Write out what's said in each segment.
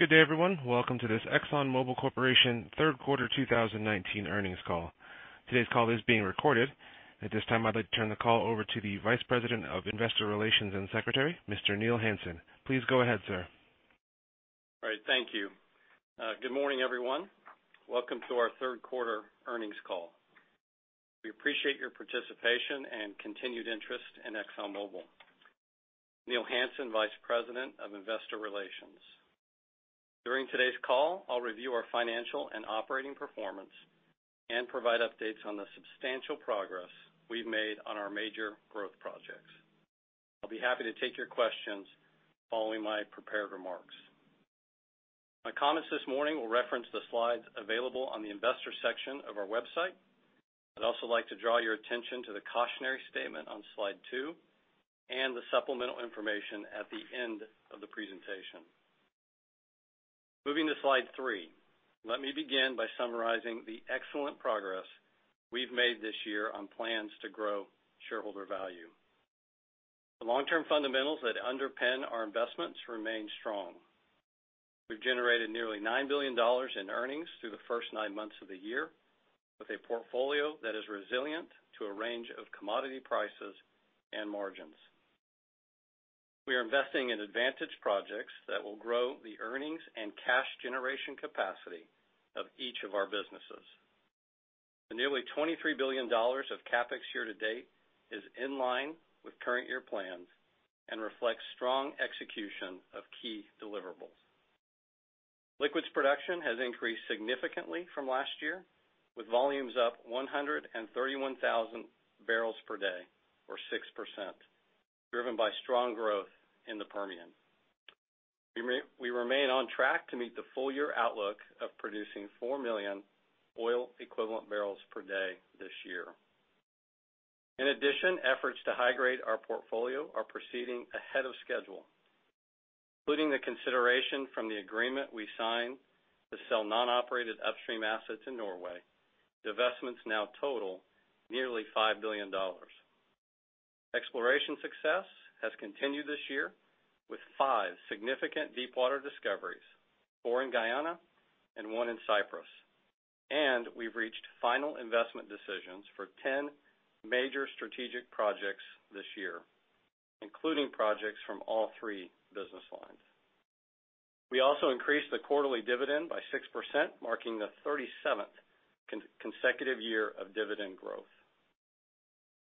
Good day, everyone. Welcome to this ExxonMobil Corporation third quarter 2019 earnings call. Today's call is being recorded. At this time, I'd like to turn the call over to the Vice President of Investor Relations and Secretary, Mr. Neil Hansen. Please go ahead, sir. All right. Thank you. Good morning, everyone. Welcome to our third quarter earnings call. We appreciate your participation and continued interest in ExxonMobil. Neil Hansen, Vice President of Investor Relations. During today's call, I'll review our financial and operating performance and provide updates on the substantial progress we've made on our major growth projects. I'll be happy to take your questions following my prepared remarks. My comments this morning will reference the slides available on the investor section of our website. I'd also like to draw your attention to the cautionary statement on Slide 2 and the supplemental information at the end of the presentation. Moving to Slide 3. Let me begin by summarizing the excellent progress we've made this year on plans to grow shareholder value. The long-term fundamentals that underpin our investments remain strong. We've generated nearly $9 billion in earnings through the first nine months of the year, with a portfolio that is resilient to a range of commodity prices and margins. We are investing in advantage projects that will grow the earnings and cash generation capacity of each of our businesses. The nearly $23 billion of CapEx year-to-date is in line with current year plans and reflects strong execution of key deliverables. Liquids production has increased significantly from last year, with volumes up 131,000 barrels per day or 6%, driven by strong growth in the Permian. We remain on track to meet the full-year outlook of producing four million oil equivalent barrels per day this year. In addition, efforts to high-grade our portfolio are proceeding ahead of schedule. Including the consideration from the agreement we signed to sell non-operated upstream assets in Norway, divestments now total nearly $5 billion. Exploration success has continued this year with five significant deepwater discoveries, four in Guyana and one in Cyprus. We've reached final investment decisions for 10 major strategic projects this year, including projects from all three business lines. We also increased the quarterly dividend by 6%, marking the 37th consecutive year of dividend growth.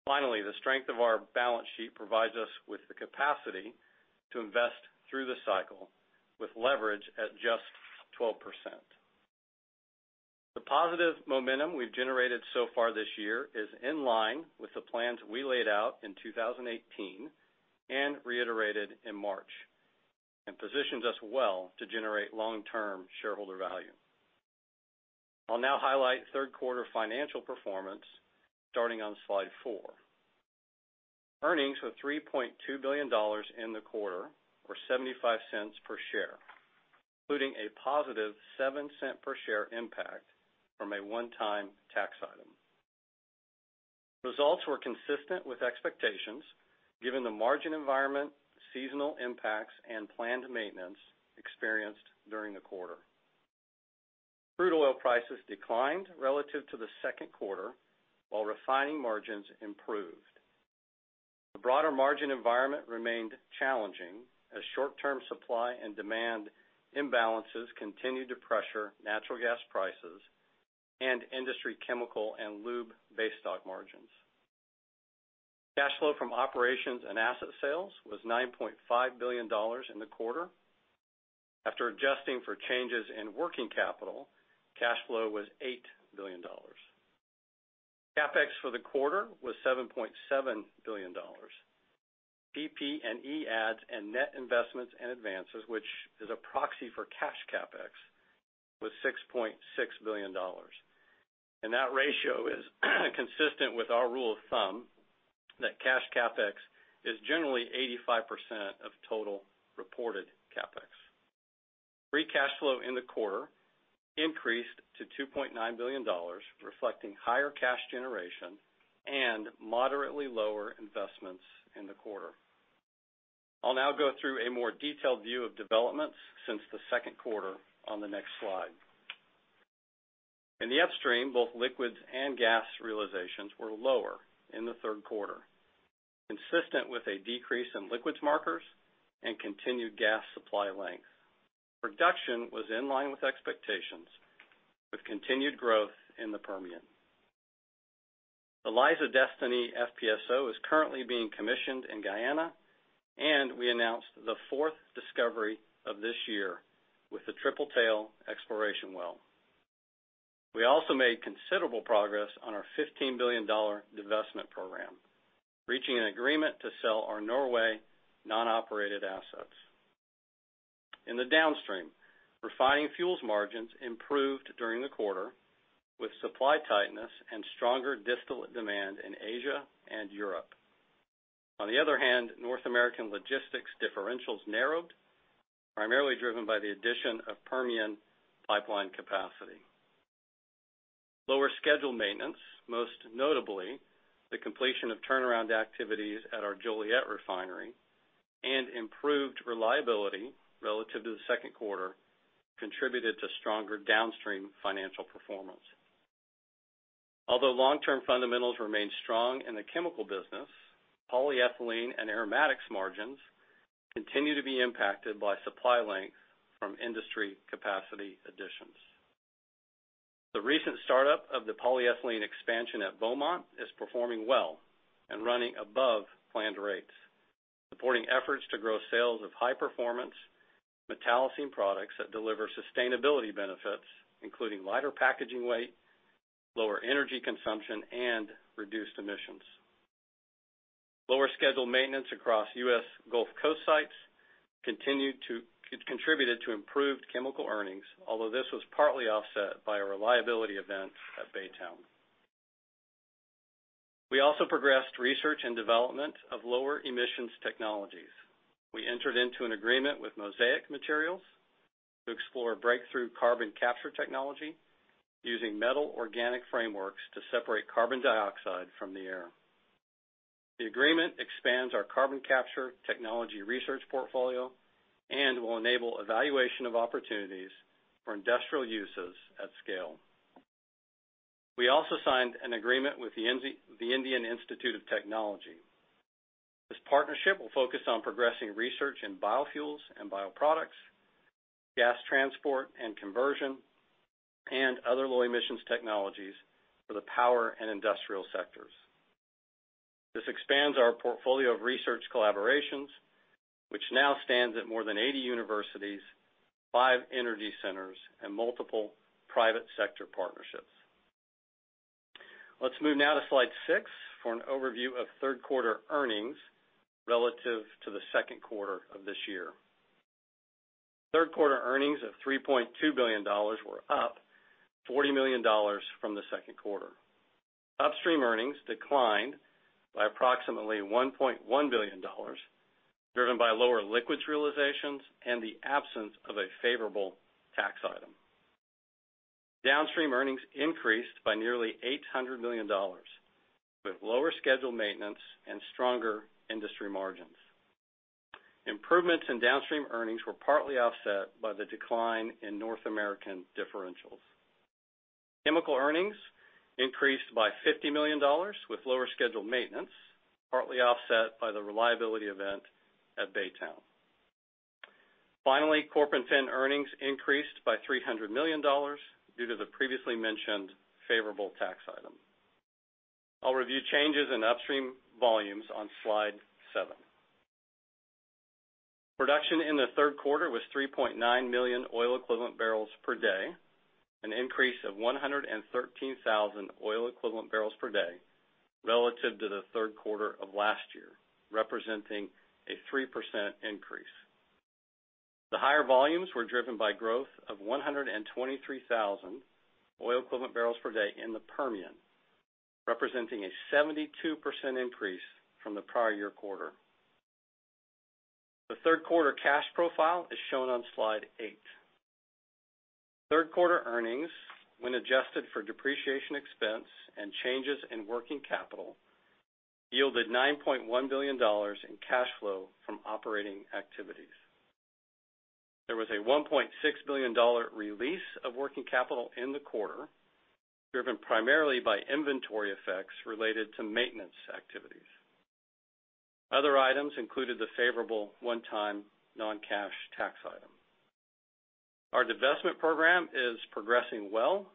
Finally, the strength of our balance sheet provides us with the capacity to invest through the cycle with leverage at just 12%. The positive momentum we've generated so far this year is in line with the plans we laid out in 2018 and reiterated in March, and positions us well to generate long-term shareholder value. I'll now highlight third-quarter financial performance starting on Slide four. Earnings were $3.2 billion in the quarter or $0.75 per share, including a positive $0.07 per share impact from a one-time tax item. Results were consistent with expectations given the margin environment, seasonal impacts, and planned maintenance experienced during the quarter. Crude oil prices declined relative to the second quarter, while refining margins improved. The broader margin environment remained challenging as short-term supply and demand imbalances continued to pressure natural gas prices and industry chemical and lube base stock margins. Cash flow from operations and asset sales was $9.5 billion in the quarter. After adjusting for changes in working capital, cash flow was $8 billion. CapEx for the quarter was $7.7 billion. PP&E adds and net investments and advances, which is a proxy for cash CapEx, was $6.6 billion. That ratio is consistent with our rule of thumb that cash CapEx is generally 85% of total reported CapEx. Free cash flow in the quarter increased to $2.9 billion, reflecting higher cash generation and moderately lower investments in the quarter. I'll now go through a more detailed view of developments since the second quarter on the next slide. In the upstream, both liquids and gas realizations were lower in the third quarter, consistent with a decrease in liquids markers and continued gas supply length. Production was in line with expectations with continued growth in the Permian. The Liza Destiny FPSO is currently being commissioned in Guyana, and we announced the fourth discovery of this year with the Tripletail exploration well. We also made considerable progress on our $15 billion divestment program, reaching an agreement to sell our Norway non-operated assets. In the downstream, refining fuels margins improved during the quarter with supply tightness and stronger distillate demand in Asia and Europe. On the other hand, North American logistics differentials narrowed, primarily driven by the addition of Permian pipeline capacity. Lower scheduled maintenance, most notably the completion of turnaround activities at our Joliet refinery, and improved reliability relative to the second quarter contributed to stronger downstream financial performance. Although long-term fundamentals remain strong in the chemical business, polyethylene and aromatics margins continue to be impacted by supply length from industry capacity additions. The recent startup of the polyethylene expansion at Beaumont is performing well and running above planned rates, supporting efforts to grow sales of high-performance metallocene products that deliver sustainability benefits, including lighter packaging weight, lower energy consumption, and reduced emissions. Lower scheduled maintenance across U.S. Gulf Coast sites contributed to improved chemical earnings, although this was partly offset by a reliability event at Baytown. We also progressed research and development of lower emissions technologies. We entered into an agreement with Mosaic Materials to explore breakthrough carbon capture technology using Metal-organic frameworks to separate carbon dioxide from the air. The agreement expands our carbon capture technology research portfolio and will enable evaluation of opportunities for industrial uses at scale. We also signed an agreement with the Indian Institute of Technology. This partnership will focus on progressing research in biofuels and bioproducts, gas transport and conversion, and other low emissions technologies for the power and industrial sectors. This expands our portfolio of research collaborations, which now stands at more than 80 universities, five energy centers, and multiple private sector partnerships. Let's move now to slide six for an overview of third quarter earnings relative to the second quarter of this year. Third quarter earnings of $3.2 billion were up $40 million from the second quarter. Upstream earnings declined by approximately $1.1 billion, driven by lower liquids realizations and the absence of a favorable tax item. Downstream earnings increased by nearly $800 million, with lower scheduled maintenance and stronger industry margins. Improvements in downstream earnings were partly offset by the decline in North American differentials. Chemical earnings increased by $50 million with lower scheduled maintenance, partly offset by the reliability event at Baytown. Finally, corporate and earnings increased by $300 million due to the previously mentioned favorable tax item. I'll review changes in upstream volumes on slide seven. Production in the third quarter was 3.9 million oil equivalent barrels per day, an increase of 113,000 oil equivalent barrels per day relative to the third quarter of last year, representing a 3% increase. The higher volumes were driven by growth of 123,000 oil equivalent barrels per day in the Permian, representing a 72% increase from the prior year quarter. The third quarter cash profile is shown on slide eight. Third quarter earnings, when adjusted for depreciation expense and changes in working capital, yielded $9.1 billion in cash flow from operating activities. There was a $1.6 billion release of working capital in the quarter, driven primarily by inventory effects related to maintenance activities. Other items included the favorable one-time non-cash tax item. Our divestment program is progressing well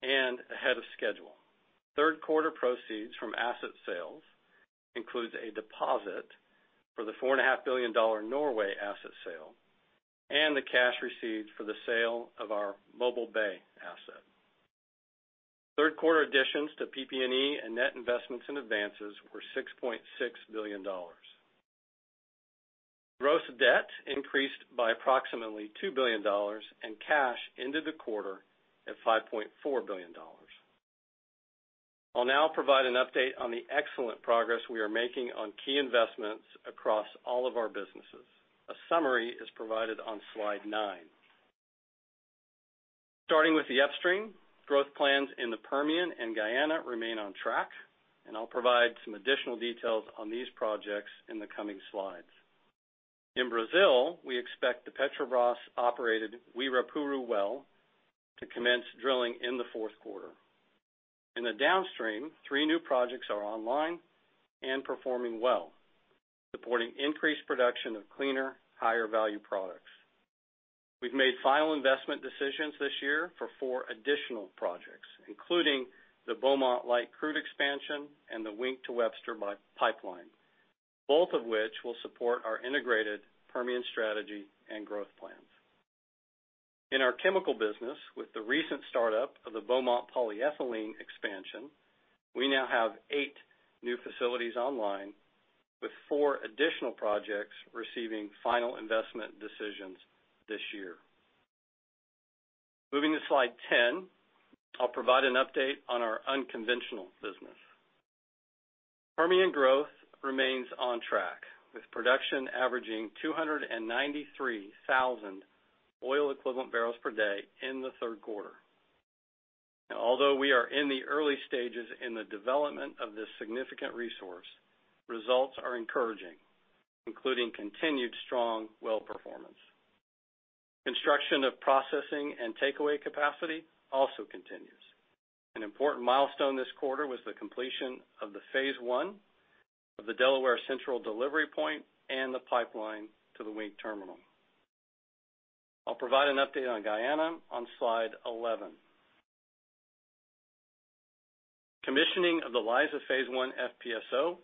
and ahead of schedule. Third quarter proceeds from asset sales includes a deposit for the $4.5 billion Norway asset sale and the cash received for the sale of our Mobile Bay asset. Third quarter additions to PP&E and net investments and advances were $6.6 billion. Gross debt increased by approximately $2 billion. Cash ended the quarter at $5.4 billion. I'll now provide an update on the excellent progress we are making on key investments across all of our businesses. A summary is provided on slide nine. Starting with the upstream, growth plans in the Permian and Guyana remain on track. I'll provide some additional details on these projects in the coming slides. In Brazil, we expect the Petrobras-operated Uirapuru well to commence drilling in the fourth quarter. In the downstream, three new projects are online and performing well, supporting increased production of cleaner, higher-value products. We've made final investment decisions this year for four additional projects, including the Beaumont light crude expansion and the Wink to Webster pipeline, both of which will support our integrated Permian strategy and growth plans. In our chemical business, with the recent startup of the Beaumont polyethylene expansion, we now have 8 new facilities online, with 4 additional projects receiving final investment decisions this year. Moving to slide 10, I'll provide an update on our unconventional business. Permian growth remains on track, with production averaging 293,000 oil equivalent barrels per day in the third quarter. Although we are in the early stages in the development of this significant resource, results are encouraging, including continued strong well performance. Construction of processing and takeaway capacity also continues. An important milestone this quarter was the completion of the phase 1 of the Delaware Central delivery point and the pipeline to the Wink terminal. I'll provide an update on Guyana on slide 11. Commissioning of the Liza phase 1 FPSO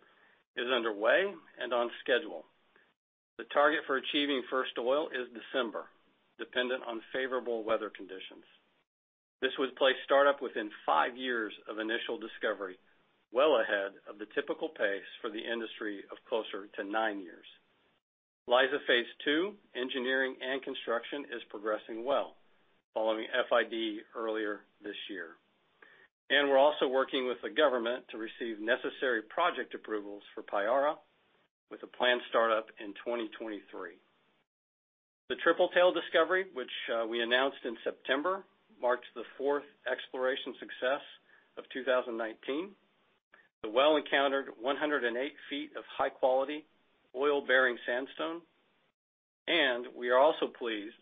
is underway and on schedule. The target for achieving first oil is December, dependent on favorable weather conditions. This would place startup within five years of initial discovery, well ahead of the typical pace for the industry of closer to nine years. Liza Phase 2 engineering and construction is progressing well, following FID earlier this year. We're also working with the government to receive necessary project approvals for Payara with a planned startup in 2023. The Tripletail discovery, which we announced in September, marks the fourth exploration success of 2019. The well encountered 108 feet of high-quality oil-bearing sandstone, and we are also pleased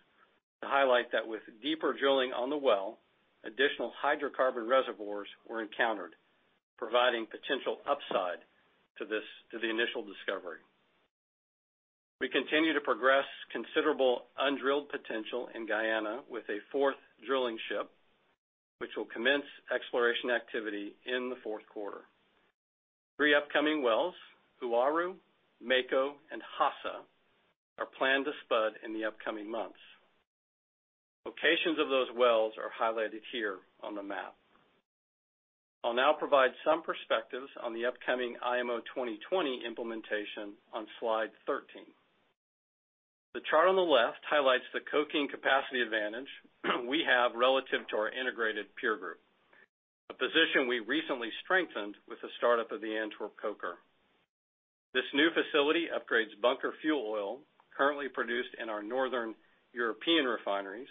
to highlight that with deeper drilling on the well, additional hydrocarbon reservoirs were encountered, providing potential upside to the initial discovery. We continue to progress considerable undrilled potential in Guyana with a fourth drilling ship, which will commence exploration activity in the fourth quarter. Three upcoming wells, Uaru, Mako, and Hassa, are planned to spud in the upcoming months. Locations of those wells are highlighted here on the map. I'll now provide some perspectives on the upcoming IMO 2020 implementation on slide 13. The chart on the left highlights the coking capacity advantage we have relative to our integrated peer group, a position we recently strengthened with the startup of the Antwerp coker. This new facility upgrades bunker fuel oil currently produced in our northern European refineries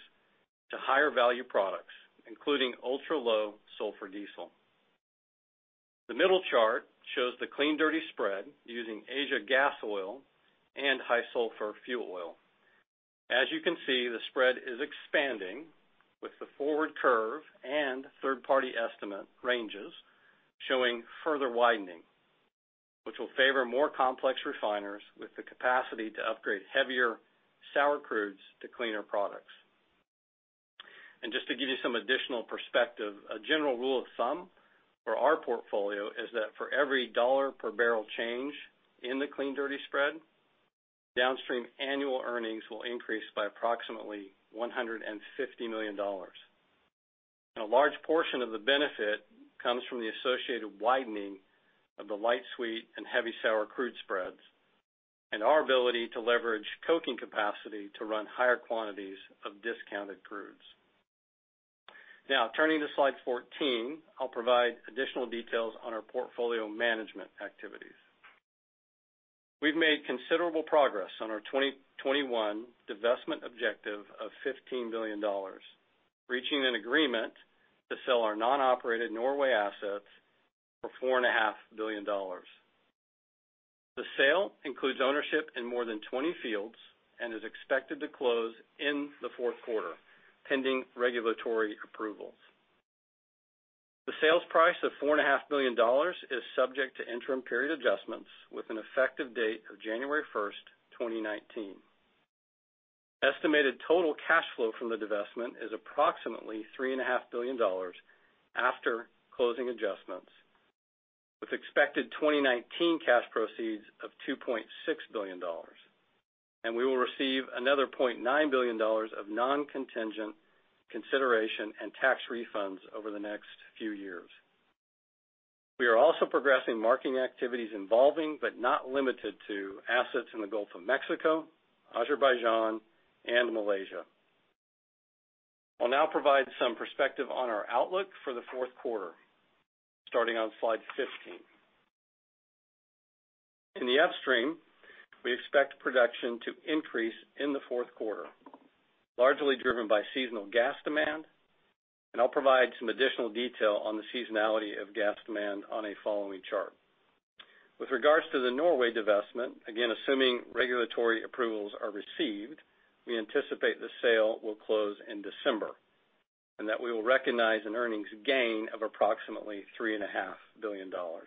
to higher value products, including ultra-low sulfur diesel. The middle chart shows the clean-dirty spread using Asia gas oil and high sulfur fuel oil. As you can see, the spread is expanding with the forward curve and third-party estimate ranges showing further widening, which will favor more complex refiners with the capacity to upgrade heavier sour crudes to cleaner products. Just to give you some additional perspective, a general rule of thumb for our portfolio is that for every $1 per barrel change in the clean-dirty spread, downstream annual earnings will increase by approximately $150 million. A large portion of the benefit comes from the associated widening of the light sweet and heavy sour crude spreads and our ability to leverage coking capacity to run higher quantities of discounted crudes. Turning to slide 14, I'll provide additional details on our portfolio management activities. We've made considerable progress on our 2021 divestment objective of $15 billion, reaching an agreement to sell our non-operated Norway assets for $4.5 billion. The sale includes ownership in more than 20 fields and is expected to close in the fourth quarter, pending regulatory approvals. The sales price of $4.5 billion is subject to interim period adjustments with an effective date of January 1st, 2019. Estimated total cash flow from the divestment is approximately $3.5 billion after closing adjustments, with expected 2019 cash proceeds of $2.6 billion. We will receive another $0.9 billion of non-contingent consideration and tax refunds over the next few years. We are also progressing marketing activities involving, but not limited to, assets in the Gulf of Mexico, Azerbaijan, and Malaysia. I'll now provide some perspective on our outlook for the fourth quarter, starting on slide 15. In the upstream, we expect production to increase in the fourth quarter, largely driven by seasonal gas demand. I'll provide some additional detail on the seasonality of gas demand on a following chart. With regards to the Norway divestment, again, assuming regulatory approvals are received, we anticipate the sale will close in December, and that we will recognize an earnings gain of approximately $3.5 billion. In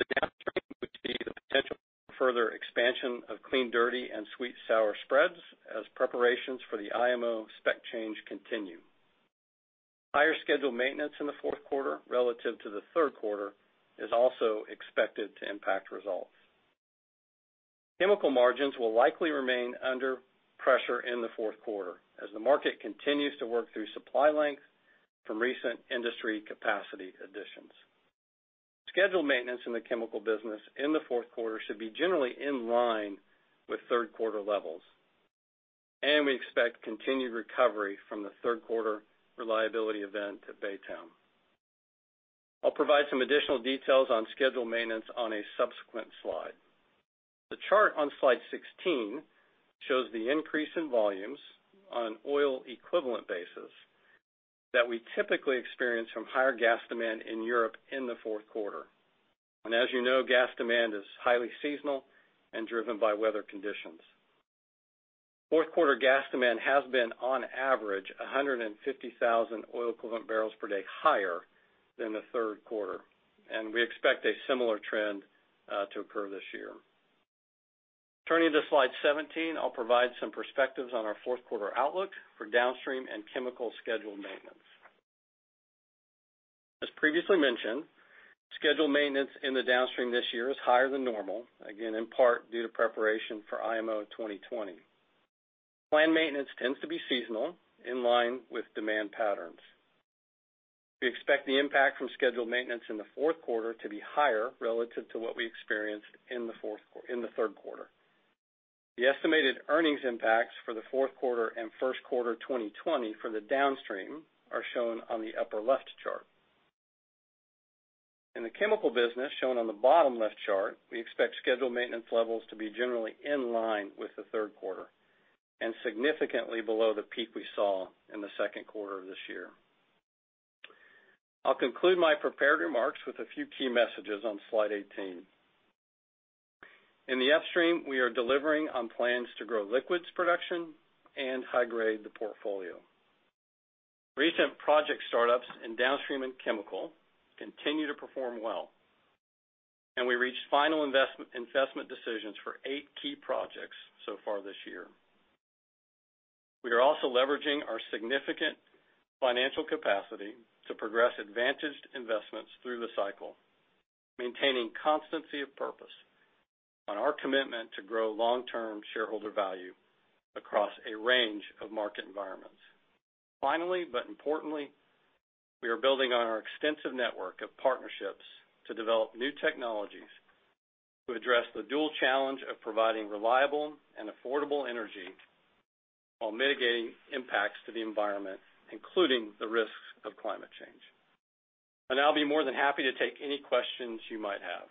the downstream, we see the potential for further expansion of clean-dirty and sweet-sour spreads as preparations for the IMO spec change continue. Higher scheduled maintenance in the fourth quarter relative to the third quarter is also expected to impact results. Chemical margins will likely remain under pressure in the fourth quarter as the market continues to work through supply length from recent industry capacity additions. Scheduled maintenance in the chemical business in the fourth quarter should be generally in line with third quarter levels. We expect continued recovery from the third quarter reliability event at Baytown. I'll provide some additional details on scheduled maintenance on a subsequent slide. The chart on slide 16 shows the increase in volumes on an oil equivalent basis that we typically experience from higher gas demand in Europe in the fourth quarter. As you know, gas demand is highly seasonal and driven by weather conditions. Fourth quarter gas demand has been, on average, 150,000 oil equivalent barrels per day higher than the third quarter, and we expect a similar trend to occur this year. Turning to slide 17, I'll provide some perspectives on our fourth quarter outlook for downstream and chemical scheduled maintenance. As previously mentioned, scheduled maintenance in the downstream this year is higher than normal, again, in part due to preparation for IMO 2020. Planned maintenance tends to be seasonal, in line with demand patterns. We expect the impact from scheduled maintenance in the fourth quarter to be higher relative to what we experienced in the third quarter. The estimated earnings impacts for the fourth quarter and first quarter 2020 for the downstream are shown on the upper left chart. In the chemical business, shown on the bottom left chart, we expect scheduled maintenance levels to be generally in line with the third quarter, and significantly below the peak we saw in the second quarter of this year. I'll conclude my prepared remarks with a few key messages on slide 18. In the upstream, we are delivering on plans to grow liquids production and high-grade the portfolio. Recent project startups in downstream and chemical continue to perform well, and we reached Final Investment Decisions for eight key projects so far this year. We are also leveraging our significant financial capacity to progress advantaged investments through the cycle, maintaining constancy of purpose on our commitment to grow long-term shareholder value across a range of market environments. Finally, but importantly, we are building on our extensive network of partnerships to develop new technologies to address the dual challenge of providing reliable and affordable energy while mitigating impacts to the environment, including the risks of climate change. I'll now be more than happy to take any questions you might have.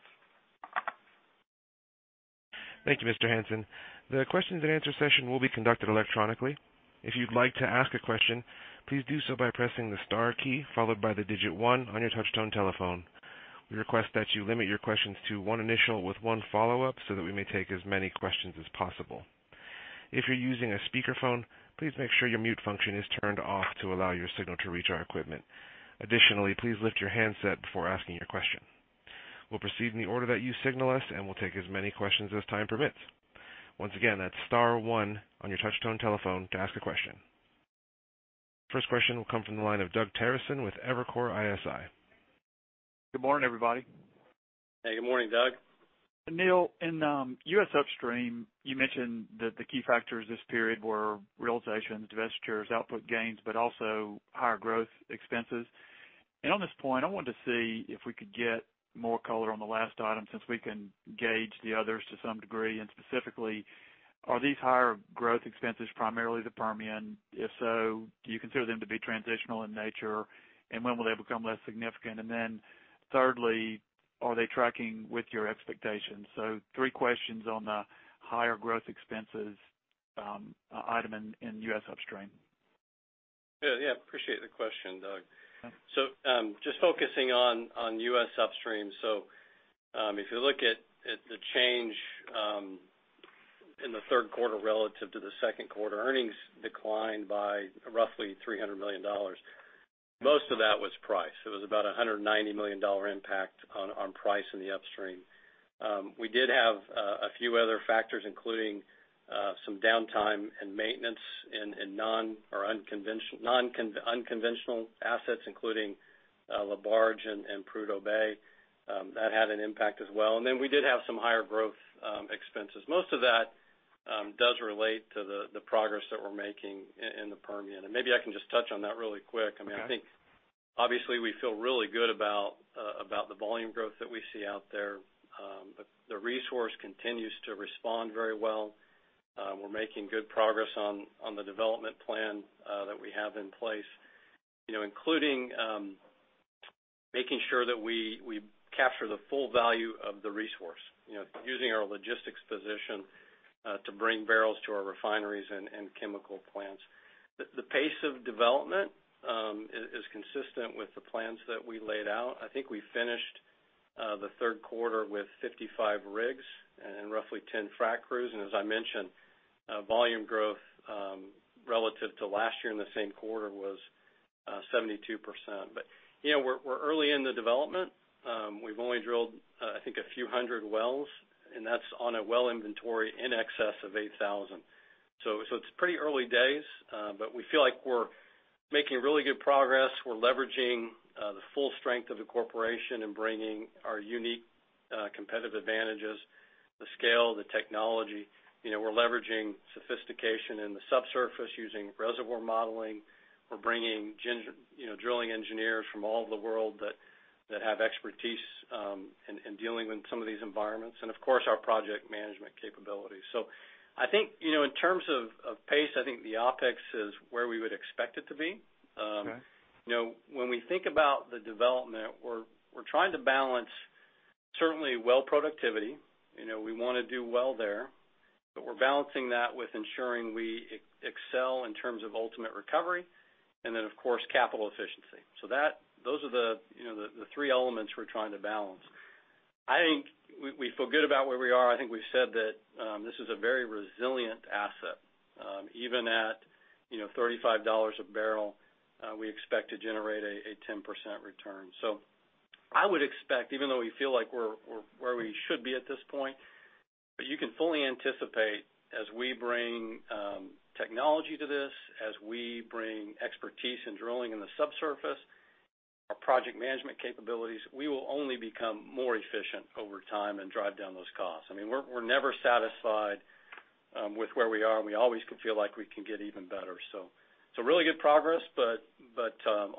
Thank you, Mr. Hansen. The questions and answer session will be conducted electronically. If you'd like to ask a question, please do so by pressing the star key followed by the digit 1 on your touch-tone telephone. We request that you limit your questions to one initial with one follow-up so that we may take as many questions as possible. If you're using a speakerphone, please make sure your mute function is turned off to allow your signal to reach our equipment. Additionally, please lift your handset before asking your question. We'll proceed in the order that you signal us, We'll take as many questions as time permits. Once again, that's star 1 on your touch-tone telephone to ask a question. First question will come from the line of Doug Terreson with Evercore ISI. Good morning, everybody. Hey, good morning, Doug. Neil, in U.S. upstream, you mentioned that the key factors this period were realizations, divestitures, output gains, but also higher growth expenses. On this point, I wanted to see if we could get more color on the last item since we can gauge the others to some degree. Specifically, are these higher growth expenses primarily the Permian? If so, do you consider them to be transitional in nature, and when will they become less significant? Thirdly, are they tracking with your expectations? Three questions on the higher growth expenses item in U.S. upstream. Yeah. Appreciate the question, Doug. Okay. Just focusing on U.S. upstream. If you look at the change in the third quarter relative to the second quarter, earnings declined by roughly $300 million. Most of that was price. It was about $190 million impact on price in the upstream. We did have a few other factors, including some downtime and maintenance in non-unconventional assets, including LaBarge and Prudhoe Bay. That had an impact as well. We did have some higher growth expenses. Most of that does relate to the progress that we're making in the Permian. Maybe I can just touch on that really quick. Okay. I think obviously we feel really good about the volume growth that we see out there. The resource continues to respond very well. We're making good progress on the development plan that we have in place, including making sure that we capture the full value of the resource, using our logistics position to bring barrels to our refineries and chemical plants. The pace of development is consistent with the plans that we laid out. I think we finished the third quarter with 55 rigs and roughly 10 frac crews, and as I mentioned, volume growth relative to last year in the same quarter was 72%. We're early in the development. We've only drilled, I think, a few hundred wells, and that's on a well inventory in excess of 8,000. It's pretty early days, but we feel like we're making really good progress. We're leveraging the full strength of the corporation and bringing our unique competitive advantages, the scale, the technology. We're leveraging sophistication in the subsurface using reservoir modeling. We're bringing drilling engineers from all over the world that have expertise in dealing with some of these environments, and of course, our project management capabilities. I think, in terms of pace, I think the OpEx is where we would expect it to be. Okay. When we think about the development, we're trying to balance certainly well productivity. We want to do well there, but we're balancing that with ensuring we excel in terms of ultimate recovery and then, of course, capital efficiency. Those are the three elements we're trying to balance. I think we feel good about where we are. I think we've said that this is a very resilient asset. Even at $35 a barrel, we expect to generate a 10% return. I would expect, even though we feel like we're where we should be at this point, but you can fully anticipate as we bring technology to this, as we bring expertise in drilling in the subsurface, our project management capabilities, we will only become more efficient over time and drive down those costs. We're never satisfied with where we are, and we always feel like we can get even better. Really good progress, but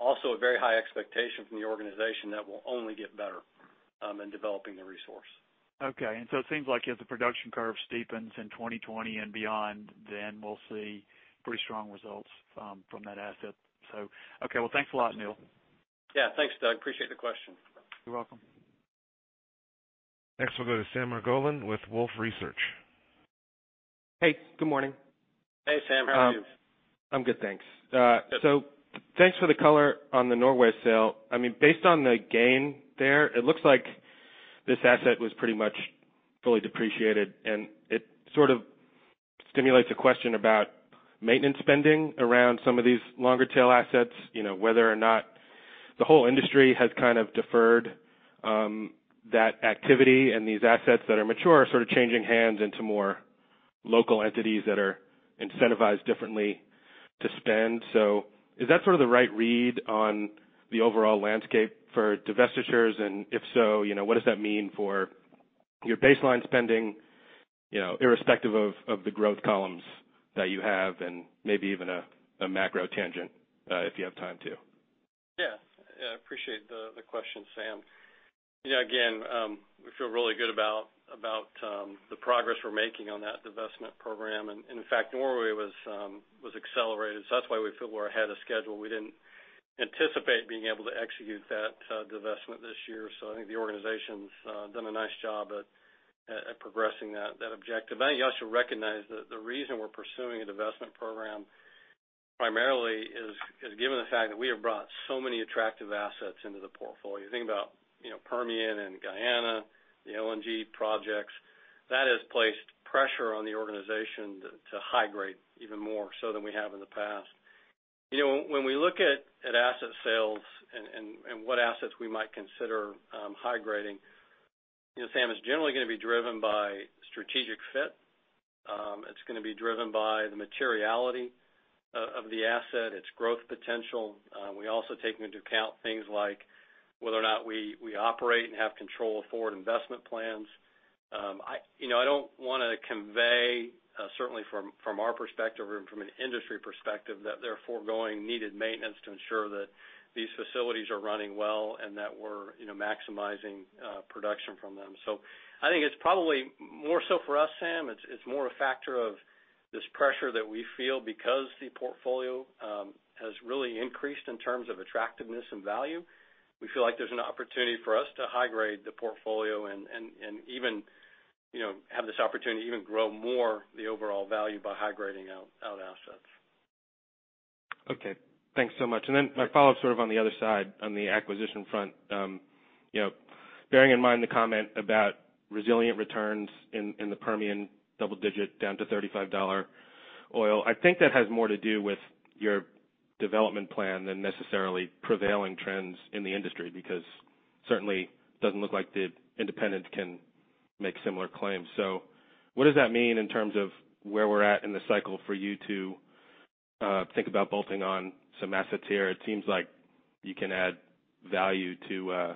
also a very high expectation from the organization that we'll only get better in developing the resource. Okay. It seems like as the production curve steepens in 2020 and beyond, then we'll see pretty strong results from that asset. Okay. Well, thanks a lot, Neil. Yeah. Thanks, Doug. Appreciate the question. You're welcome. Next, we'll go to Sam Margolin with Wolfe Research. Hey, good morning. Hey, Sam. How are you? I'm good, thanks. Yes. Thanks for the color on the Norway sale. Based on the gain there, it looks like this asset was pretty much fully depreciated, and it sort of stimulates a question about maintenance spending around some of these longer tail assets. Whether or not the whole industry has kind of deferred that activity, and these assets that are mature are sort of changing hands into more local entities that are incentivized differently to spend. Is that sort of the right read on the overall landscape for divestitures? If so, what does that mean for your baseline spending, irrespective of the growth columns that you have, and maybe even a macro tangent, if you have time to? Yeah. I appreciate the question, Sam. We feel really good about the progress we're making on that divestment program. In fact, Norway was accelerated. That's why we feel we're ahead of schedule. We didn't anticipate being able to execute that divestment this year. I think the organization's done a nice job at progressing that objective. You also recognize that the reason we're pursuing a divestment program primarily is given the fact that we have brought so many attractive assets into the portfolio. You think about Permian and Guyana, the LNG projects. That has placed pressure on the organization to high-grade even more so than we have in the past. When we look at asset sales and what assets we might consider high-grading, Sam, it's generally going to be driven by strategic fit. It's going to be driven by the materiality of the asset, its growth potential. We also take into account things like whether or not we operate and have control of forward investment plans. I don't want to convey, certainly from our perspective or from an industry perspective, that they're foregoing needed maintenance to ensure that these facilities are running well and that we're maximizing production from them. I think it's probably more so for us, Sam, it's more a factor of this pressure that we feel because the portfolio has really increased in terms of attractiveness and value. We feel like there's an opportunity for us to high-grade the portfolio and even have this opportunity to even grow more the overall value by high-grading out assets. Okay. Thanks so much. My follow-up sort of on the other side, on the acquisition front. Bearing in mind the comment about resilient returns in the Permian double-digit down to $35 oil, I think that has more to do with your development plan than necessarily prevailing trends in the industry, because certainly it doesn't look like the independents can make similar claims. What does that mean in terms of where we're at in the cycle for you to think about bolting on some assets here? It seems like you can add value to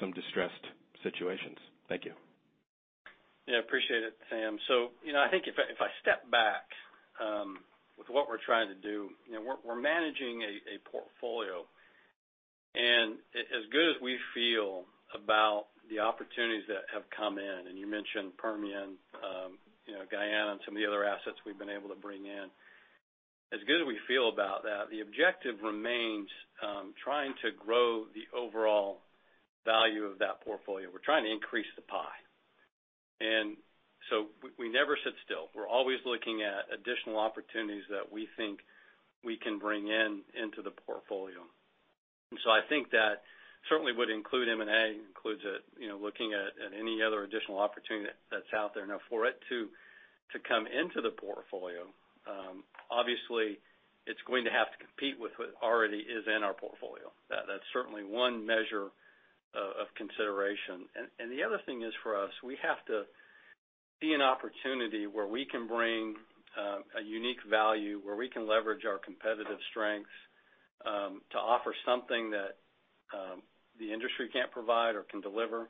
some distressed situations. Thank you. Yeah. Appreciate it, Sam. I think if I step back with what we're trying to do, we're managing a portfolio, and as good as we feel about the opportunities that have come in, and you mentioned Permian, Guyana, and some of the other assets we've been able to bring in. As good as we feel about that, the objective remains trying to grow the overall value of that portfolio. We're trying to increase the pie. We never sit still. We're always looking at additional opportunities that we think we can bring in into the portfolio. I think that certainly would include M&A. It includes looking at any other additional opportunity that's out there. Now for it to come into the portfolio, obviously it's going to have to compete with what already is in our portfolio. That's certainly one measure of consideration. The other thing is for us, we have to see an opportunity where we can bring a unique value, where we can leverage our competitive strengths, to offer something that the industry can't provide or can deliver.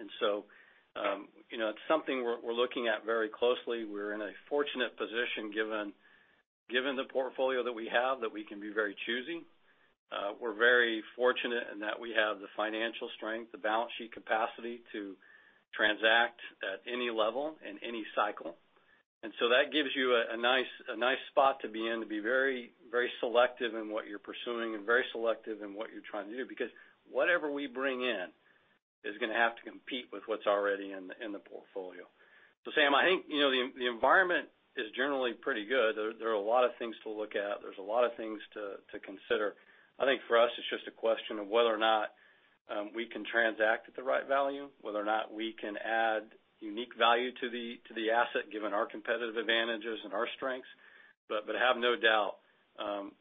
It's something we're looking at very closely. We're in a fortunate position given the portfolio that we have, that we can be very choosy. We're very fortunate in that we have the financial strength, the balance sheet capacity to transact at any level in any cycle. That gives you a nice spot to be in, to be very selective in what you're pursuing and very selective in what you're trying to do, because whatever we bring in is going to have to compete with what's already in the portfolio. Sam, I think, the environment is generally pretty good. There are a lot of things to look at. There's a lot of things to consider. I think for us, it's just a question of whether or not we can transact at the right value, whether or not we can add unique value to the asset given our competitive advantages and our strengths. Have no doubt,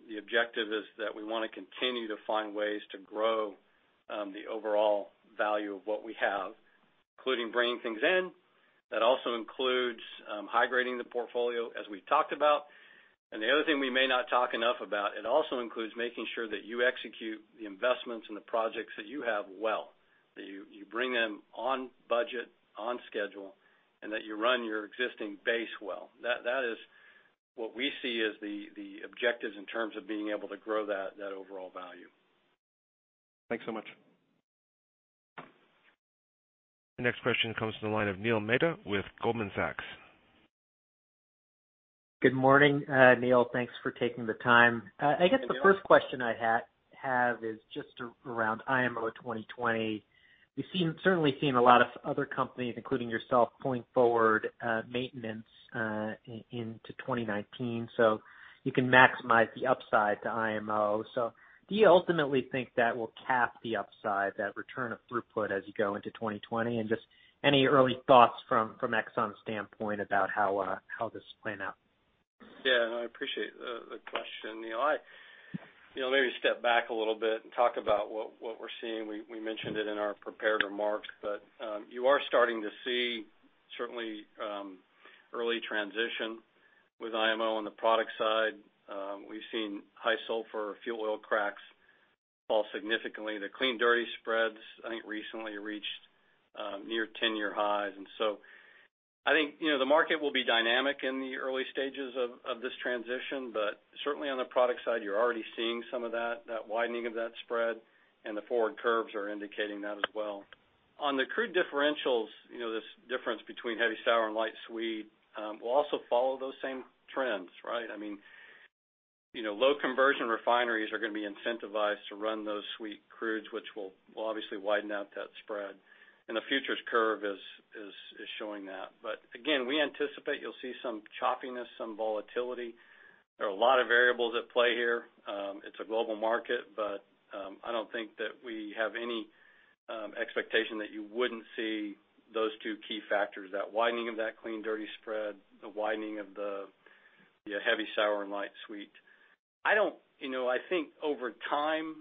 the objective is that we want to continue to find ways to grow the overall value of what we have, including bringing things in. That also includes high-grading the portfolio as we talked about. The other thing we may not talk enough about, it also includes making sure that you execute the investments and the projects that you have well, that you bring them on budget, on schedule, and that you run your existing base well. That is what we see as the objectives in terms of being able to grow that overall value. Thanks so much. The next question comes to the line of Neil Mehta with Goldman Sachs. Good morning Neil, thanks for taking the time. Yeah. I guess the first question I have is just around IMO 2020. We've certainly seen a lot of other companies, including yourself, pulling forward maintenance into 2019 so you can maximize the upside to IMO. Do you ultimately think that will cap the upside, that return of throughput as you go into 2020? Just any early thoughts from Exxon's standpoint about how this will play out? I appreciate the question, Neil. Maybe step back a little bit and talk about what we're seeing. We mentioned it in our prepared remarks, you are starting to see certainly early transition with IMO on the product side. We've seen high-sulfur fuel oil cracks fall significantly. The clean-dirty spreads, I think recently reached near 10-year highs. I think the market will be dynamic in the early stages of this transition, but certainly on the product side you're already seeing some of that widening of that spread and the forward curves are indicating that as well. On the crude differentials, this difference between heavy sour and light sweet will also follow those same trends, right? Low-conversion refineries are going to be incentivized to run those sweet crudes, which will obviously widen out that spread. The futures curve is showing that. Again, we anticipate you'll see some choppiness, some volatility. There are a lot of variables at play here. It's a global market, I don't think that we have any expectation that you wouldn't see those two key factors, that widening of that clean-dirty spread, the widening of the heavy sour and light sweet. I think over time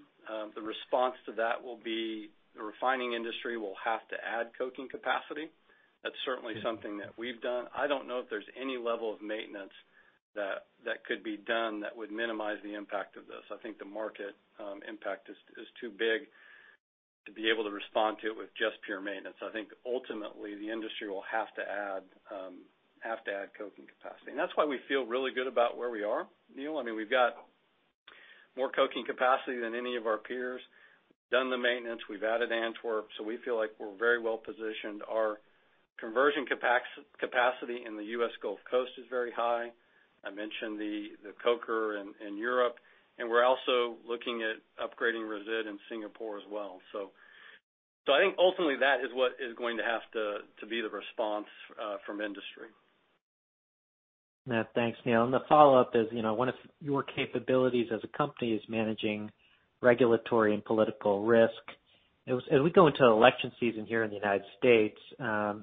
the response to that will be the refining industry will have to add coking capacity. That's certainly something that we've done. I don't know if there's any level of maintenance that could be done that would minimize the impact of this. I think the market impact is too big to be able to respond to it with just pure maintenance. I think ultimately the industry will have to add coking capacity. That's why we feel really good about where we are, Neal. We've got more coking capacity than any of our peers, done the maintenance, we've added Antwerp, so we feel like we're very well positioned. Our conversion capacity in the U.S. Gulf Coast is very high. I mentioned the coker in Europe, and we're also looking at upgrading resid in Singapore as well. I think ultimately that is what is going to have to be the response from industry. Yeah. Thanks, Neil. The follow-up is, one of your capabilities as a company is managing regulatory and political risk. As we go into election season here in the U.S.,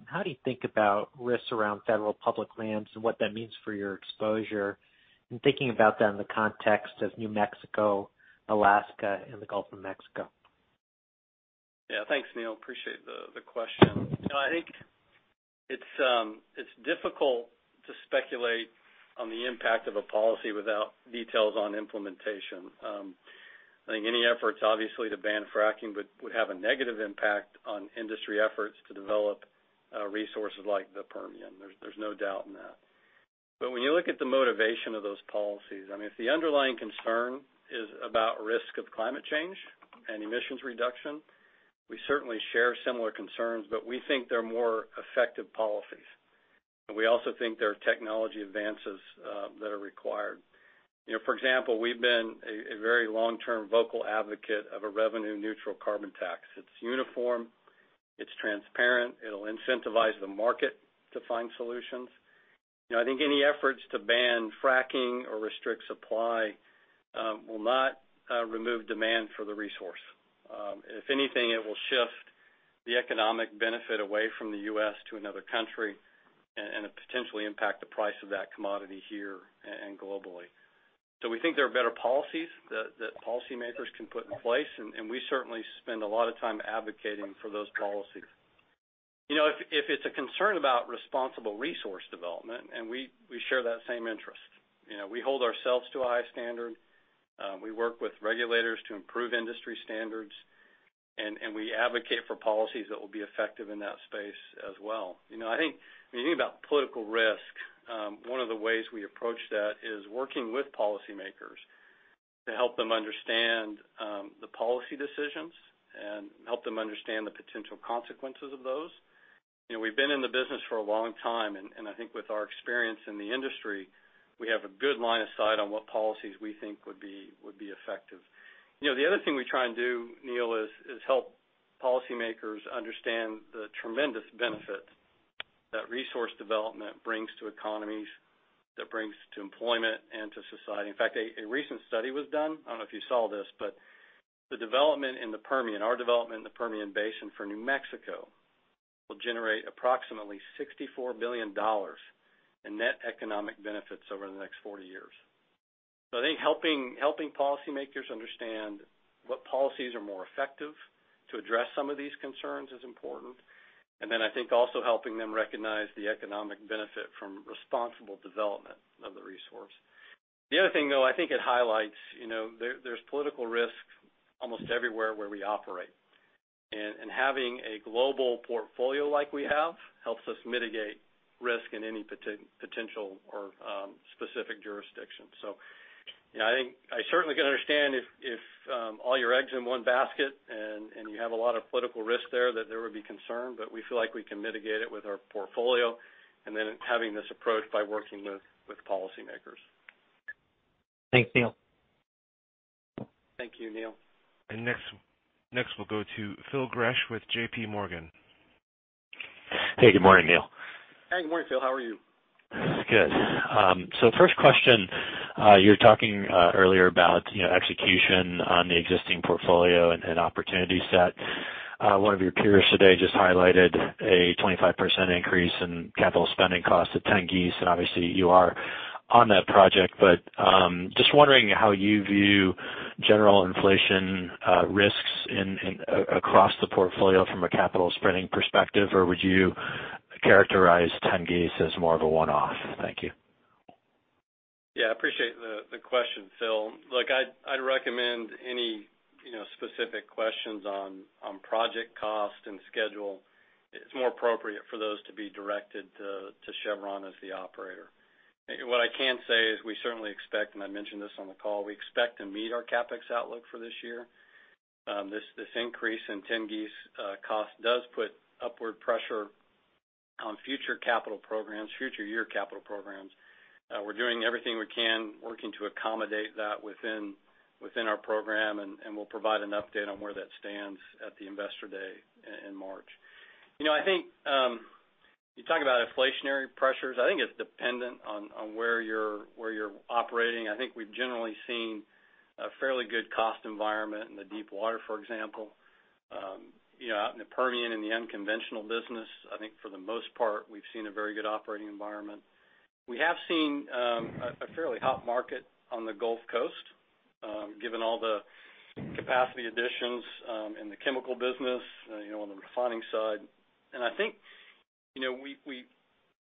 how do you think about risks around federal public lands and what that means for your exposure? Thinking about that in the context of New Mexico, Alaska, and the Gulf of Mexico. Yeah, thanks, Neil. Appreciate the question. I think it's difficult to speculate on the impact of a policy without details on implementation. I think any efforts obviously to ban fracking would have a negative impact on industry efforts to develop resources like the Permian. There's no doubt in that. When you look at the motivation of those policies, if the underlying concern is about risk of climate change and emissions reduction, we certainly share similar concerns. We think there are more effective policies. We also think there are technology advances that are required. For example, we've been a very long-term vocal advocate of a revenue neutral carbon tax. It's uniform, it's transparent, it'll incentivize the market to find solutions. I think any efforts to ban fracking or restrict supply will not remove demand for the resource. If anything, it will shift the economic benefit away from the U.S. to another country and potentially impact the price of that commodity here and globally. We think there are better policies that policymakers can put in place, and we certainly spend a lot of time advocating for those policies. If it's a concern about responsible resource development, and we share that same interest. We hold ourselves to a high standard. We work with regulators to improve industry standards, and we advocate for policies that will be effective in that space as well. I think when you think about political risk, one of the ways we approach that is working with policymakers to help them understand the policy decisions and help them understand the potential consequences of those. We've been in the business for a long time, and I think with our experience in the industry, we have a good line of sight on what policies we think would be effective. The other thing we try and do, Neil, is help policymakers understand the tremendous benefit that resource development brings to economies, that brings to employment and to society. In fact, a recent study was done, I don't know if you saw this, but the development in the Permian, our development in the Permian Basin for New Mexico will generate approximately $64 billion in net economic benefits over the next 40 years. I think helping policymakers understand what policies are more effective to address some of these concerns is important, and then I think also helping them recognize the economic benefit from responsible development of the resource. The other thing, though, I think it highlights, there's political risk almost everywhere where we operate. Having a global portfolio like we have helps us mitigate risk in any potential or specific jurisdiction. I certainly can understand if all your eggs are in one basket and you have a lot of political risk there, that there would be concern, but we feel like we can mitigate it with our portfolio and then having this approach by working with policymakers. Thanks, Neil. Thank you, Neil. Next, we'll go to Phil Gresh with JPMorgan. Hey, good morning, Neil. Hey, good morning, Phil. How are you? Good. First question, you were talking earlier about execution on the existing portfolio and opportunity set. One of your peers today just highlighted a 25% increase in capital spending costs at Tengiz, and obviously you are on that project. Just wondering how you view general inflation risks across the portfolio from a capital spending perspective, or would you characterize Tengiz as more of a one-off? Thank you. Yeah, appreciate the question, Phil. Look, I'd recommend any specific questions on project cost and schedule, it's more appropriate for those to be directed to Chevron as the operator. What I can say is we certainly expect, and I mentioned this on the call, we expect to meet our CapEx outlook for this year. This increase in Tengiz cost does put upward pressure on future capital programs, future year capital programs. We're doing everything we can, working to accommodate that within our program, and we'll provide an update on where that stands at the Investor Day in March. I think you talk about inflationary pressures. I think it's dependent on where you're operating. I think we've generally seen a fairly good cost environment in the deepwater, for example. Out in the Permian, in the unconventional business, I think for the most part, we've seen a very good operating environment. We have seen a fairly hot market on the Gulf Coast, given all the capacity additions in the chemical business on the refining side. I think we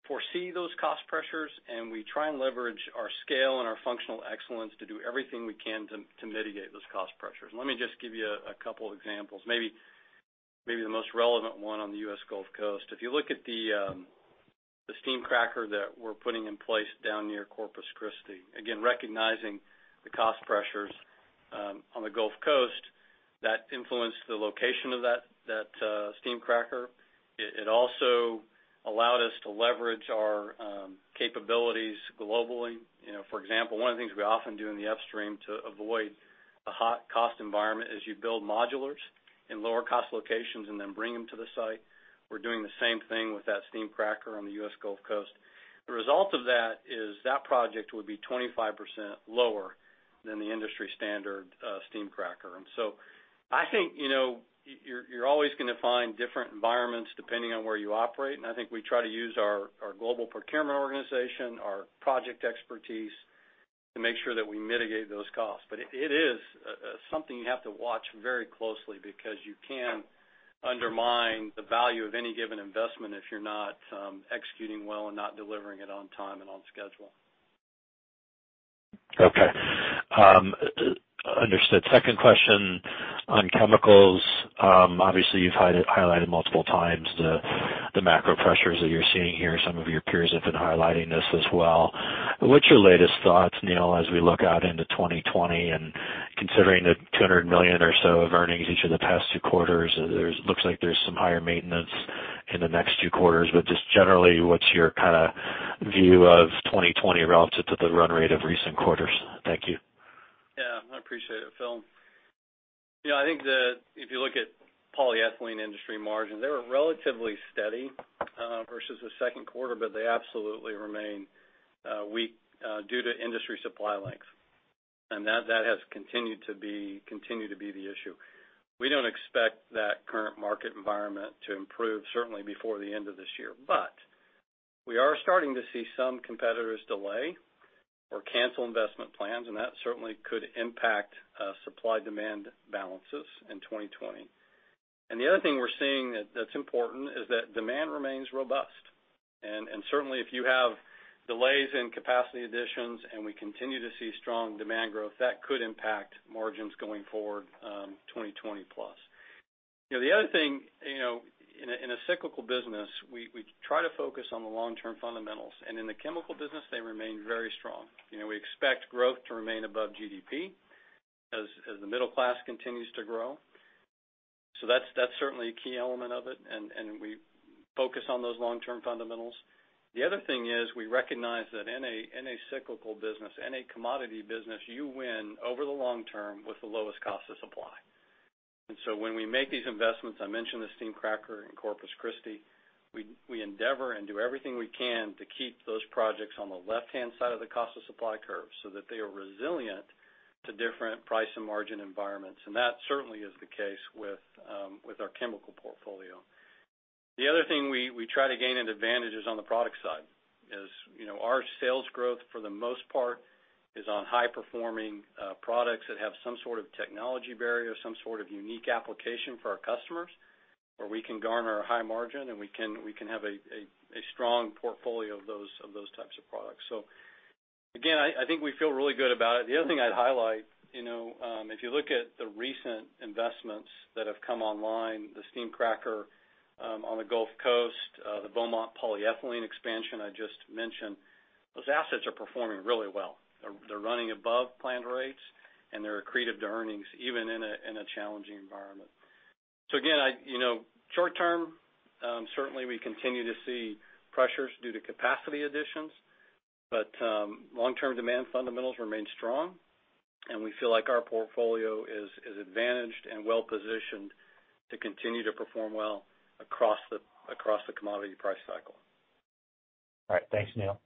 foresee those cost pressures, and we try and leverage our scale and our functional excellence to do everything we can to mitigate those cost pressures. Let me just give you a couple examples. Maybe the most relevant one on the U.S. Gulf Coast. If you look at the steam cracker that we're putting in place down near Corpus Christi, again, recognizing the cost pressures on the Gulf Coast, that influenced the location of that steam cracker. It also allowed us to leverage our capabilities globally. For example, one of the things we often do in the upstream to avoid a hot cost environment is you build modulars in lower cost locations and then bring them to the site. We're doing the same thing with that steam cracker on the U.S. Gulf Coast. The result of that is that project would be 25% lower than the industry standard steam cracker. I think you're always going to find different environments depending on where you operate, and I think we try to use our global procurement organization, our project expertise to make sure that we mitigate those costs. It is something you have to watch very closely because you can undermine the value of any given investment if you're not executing well and not delivering it on time and on schedule. Okay. Understood. Second question on chemicals. Obviously, you've highlighted multiple times the macro pressures that you're seeing here. Some of your peers have been highlighting this as well. What's your latest thoughts, Neil, as we look out into 2020 and considering the $200 million or so of earnings each of the past two quarters, it looks like there's some higher maintenance in the next two quarters. Just generally, what's your view of 2020 relative to the run rate of recent quarters? Thank you. Yeah, I appreciate it, Phil. I think that if you look at polyethylene industry margins, they were relatively steady versus the second quarter, but they absolutely remain weak due to industry supply length. That has continued to be the issue. We don't expect that current market environment to improve certainly before the end of this year. We are starting to see some competitors delay or cancel investment plans, and that certainly could impact supply-demand balances in 2020. The other thing we're seeing that's important is that demand remains robust. Certainly, if you have delays in capacity additions, and we continue to see strong demand growth, that could impact margins going forward 2020 plus. The other thing, in a cyclical business, we try to focus on the long-term fundamentals. In the chemical business, they remain very strong. We expect growth to remain above GDP as the middle class continues to grow. That's certainly a key element of it, and we focus on those long-term fundamentals. The other thing is we recognize that in a cyclical business, in a commodity business, you win over the long term with the lowest cost to supply. When we make these investments, I mentioned the steam cracker in Corpus Christi, we endeavor and do everything we can to keep those projects on the left-hand side of the cost of supply curve so that they are resilient to different price and margin environments. That certainly is the case with our chemical portfolio. The other thing we try to gain an advantage is on the product side. As you know, our sales growth, for the most part, is on high performing products that have some sort of technology barrier, some sort of unique application for our customers, where we can garner a high margin, and we can have a strong portfolio of those types of products. Again, I think we feel really good about it. The other thing I'd highlight, if you look at the recent investments that have come online, the steam cracker on the Gulf Coast, the Beaumont polyethylene expansion I just mentioned. Those assets are performing really well. They're running above planned rates, and they're accretive to earnings even in a challenging environment. Again, short term, certainly we continue to see pressures due to capacity additions, but long-term demand fundamentals remain strong, and we feel like our portfolio is advantaged and well-positioned to continue to perform well across the commodity price cycle. All right. Thanks, Neil.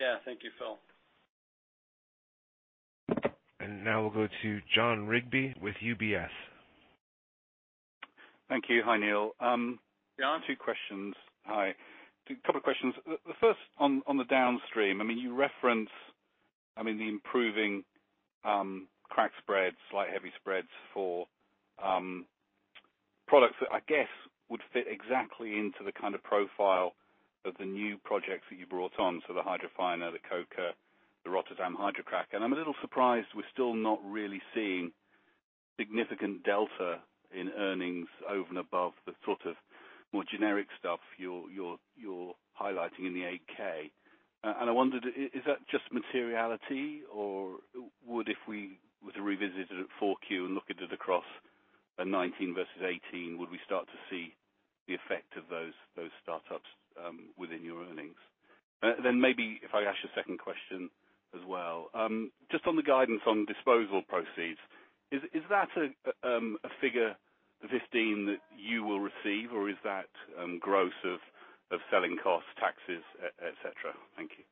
Yeah. Thank you, Phil. Now we'll go to Jon Rigby with UBS. Thank you. Hi, Neil. Yeah, two questions. Hi. A couple of questions. The first on the downstream. You reference the improving crack spread, light heavy spreads for products that I guess would fit exactly into the kind of profile of the new projects that you brought on, so the hydrofiner, the coker, the Rotterdam hydrocracker. I'm a little surprised we're still not really seeing significant delta in earnings over and above the sort of more generic stuff you're highlighting in the 8-K. I wondered, is that just materiality, or if we were to revisit it at 4Q and look at it across 2019 versus 2018, would we start to see the effect of those startups within your earnings? Maybe if I ask you a second question as well. Just on the guidance on disposal proceeds, is that a figure, the $15, that you will receive, or is that gross of selling cost, taxes, et cetera? Thank you.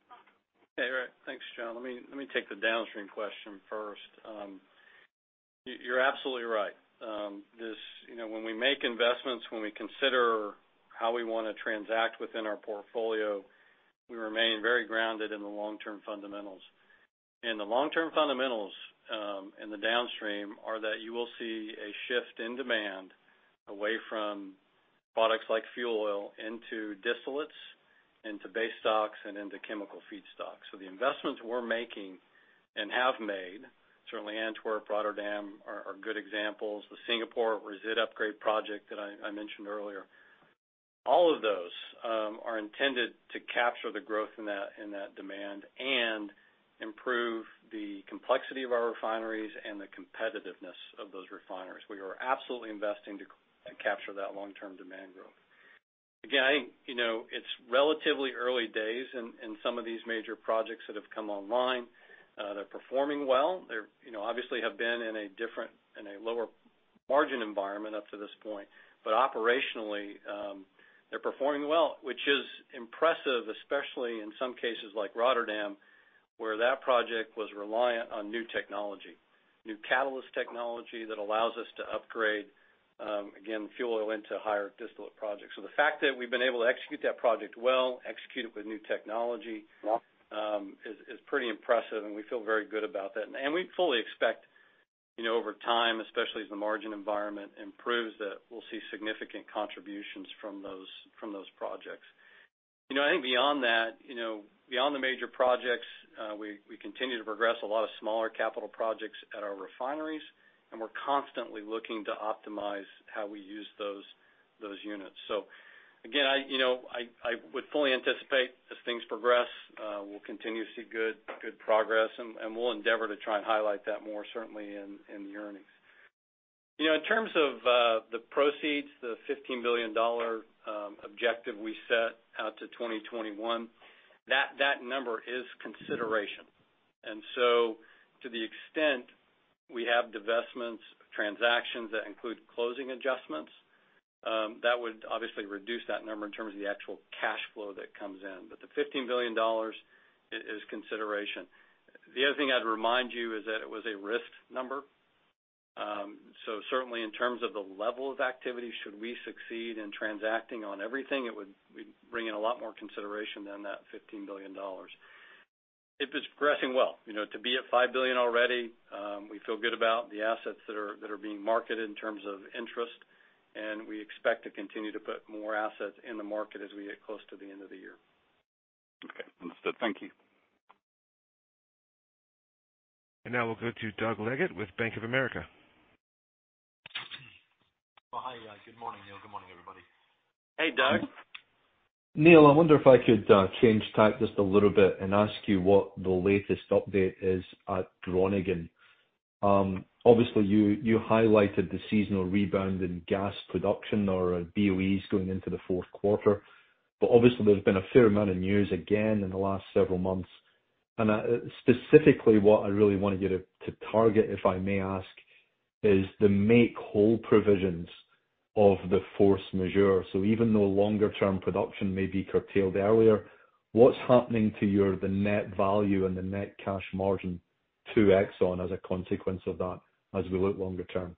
Thanks, Jon. Let me take the downstream question first. You're absolutely right. When we make investments, when we consider how we want to transact within our portfolio, we remain very grounded in the long-term fundamentals. The long-term fundamentals in the downstream are that you will see a shift in demand away from products like fuel oil into distillates, into base stocks, and into chemical feedstocks. The investments we're making and have made, certainly Antwerp, Rotterdam are good examples. The Singapore Resid upgrade project that I mentioned earlier. All of those are intended to capture the growth in that demand and improve the complexity of our refineries and the competitiveness of those refineries. We are absolutely investing to capture that long-term demand growth. Again, I think it's relatively early days in some of these major projects that have come online. They're performing well. They obviously have been in a lower margin environment up to this point. Operationally, they're performing well, which is impressive, especially in some cases like Rotterdam, where that project was reliant on new technology. New catalyst technology that allows us to upgrade, again, fuel oil into higher distillate projects. The fact that we've been able to execute that project well, execute it with new technology is pretty impressive, and we feel very good about that. We fully expect over time, especially as the margin environment improves, that we'll see significant contributions from those projects. I think beyond that, beyond the major projects, we continue to progress a lot of smaller capital projects at our refineries, and we're constantly looking to optimize how we use those units. Again, I would fully anticipate as things progress, we'll continue to see good progress, and we'll endeavor to try and highlight that more certainly in the earnings. In terms of the proceeds, the $15 billion objective we set out to 2021, that number is consideration. So to the extent we have divestments, transactions that include closing adjustments, that would obviously reduce that number in terms of the actual cash flow that comes in. The $15 billion is consideration. The other thing I'd remind you is that it was a risk number. Certainly in terms of the level of activity, should we succeed in transacting on everything, it would bring in a lot more consideration than that $15 billion. It is progressing well. To be at $5 billion already, we feel good about the assets that are being marketed in terms of interest. We expect to continue to put more assets in the market as we get close to the end of the year. Okay. Understood. Thank you. Now we'll go to Doug Leggate with Bank of America. Oh, hi. Good morning, Neil. Good morning, everybody. Hey, Doug. Neil, I wonder if I could change tack just a little bit and ask you what the latest update is at Groningen. Obviously, you highlighted the seasonal rebound in gas production or BOEs going into the fourth quarter, but obviously there's been a fair amount in years again, in the last several months. Specifically what I really want to get to target, if I may ask, is the make whole provisions of the force majeure. Even though longer term production may be curtailed earlier, what's happening to the net value and the net cash margin to ExxonMobil as a consequence of that as we look longer term?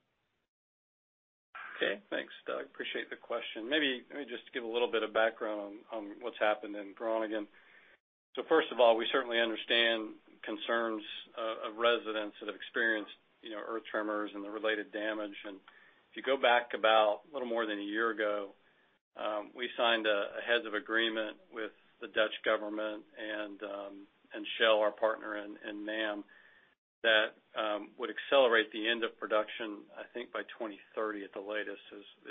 Okay. Thanks, Doug. Appreciate the question. Maybe let me just give a little bit of background on what's happened in Groningen. First of all, we certainly understand concerns of residents that have experienced earth tremors and the related damage. If you go back about a little more than a year ago, we signed a heads of agreement with the Dutch government and Shell, our partner in NAM, that would accelerate the end of production, I think, by 2030 at the latest, that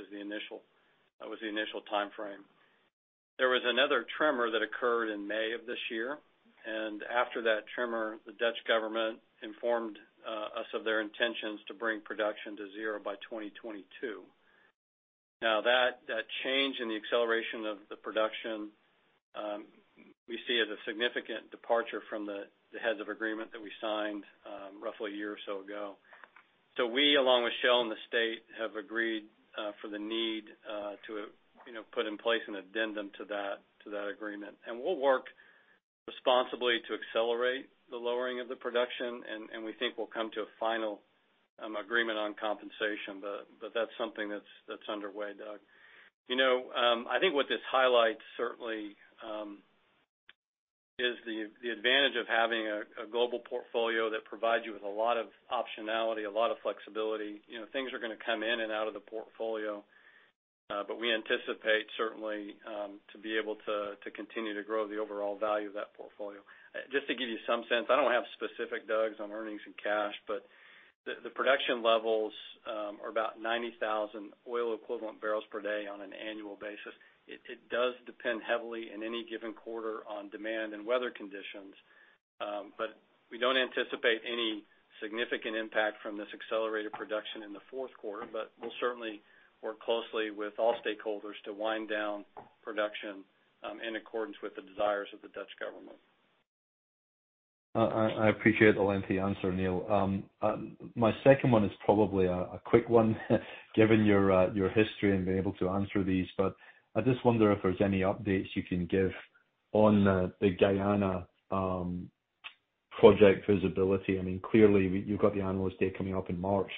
was the initial timeframe. There was another tremor that occurred in May of this year, and after that tremor, the Dutch government informed us of their intentions to bring production to zero by 2022. Now, that change in the acceleration of the production, we see as a significant departure from the heads of agreement that we signed roughly a year or so ago. We, along with Shell and the state, have agreed for the need to put in place an addendum to that agreement, and we'll work responsibly to accelerate the lowering of the production, and we think we'll come to a final agreement on compensation, but that's something that's underway, Doug. I think what this highlights certainly, is the advantage of having a global portfolio that provides you with a lot of optionality, a lot of flexibility. Things are going to come in and out of the portfolio. We anticipate certainly, to be able to continue to grow the overall value of that portfolio. Just to give you some sense, I don't have specific, Doug, on earnings and cash, but the production levels are about 90,000 oil equivalent barrels per day on an annual basis. It does depend heavily in any given quarter on demand and weather conditions. We don't anticipate any significant impact from this accelerated production in the fourth quarter, but we'll certainly work closely with all stakeholders to wind down production in accordance with the desires of the Dutch government. I appreciate the lengthy answer, Neil. My second one is probably a quick one given your history and being able to answer these. I just wonder if there's any updates you can give on the Guyana project visibility. Clearly, you've got the analyst day coming up in March.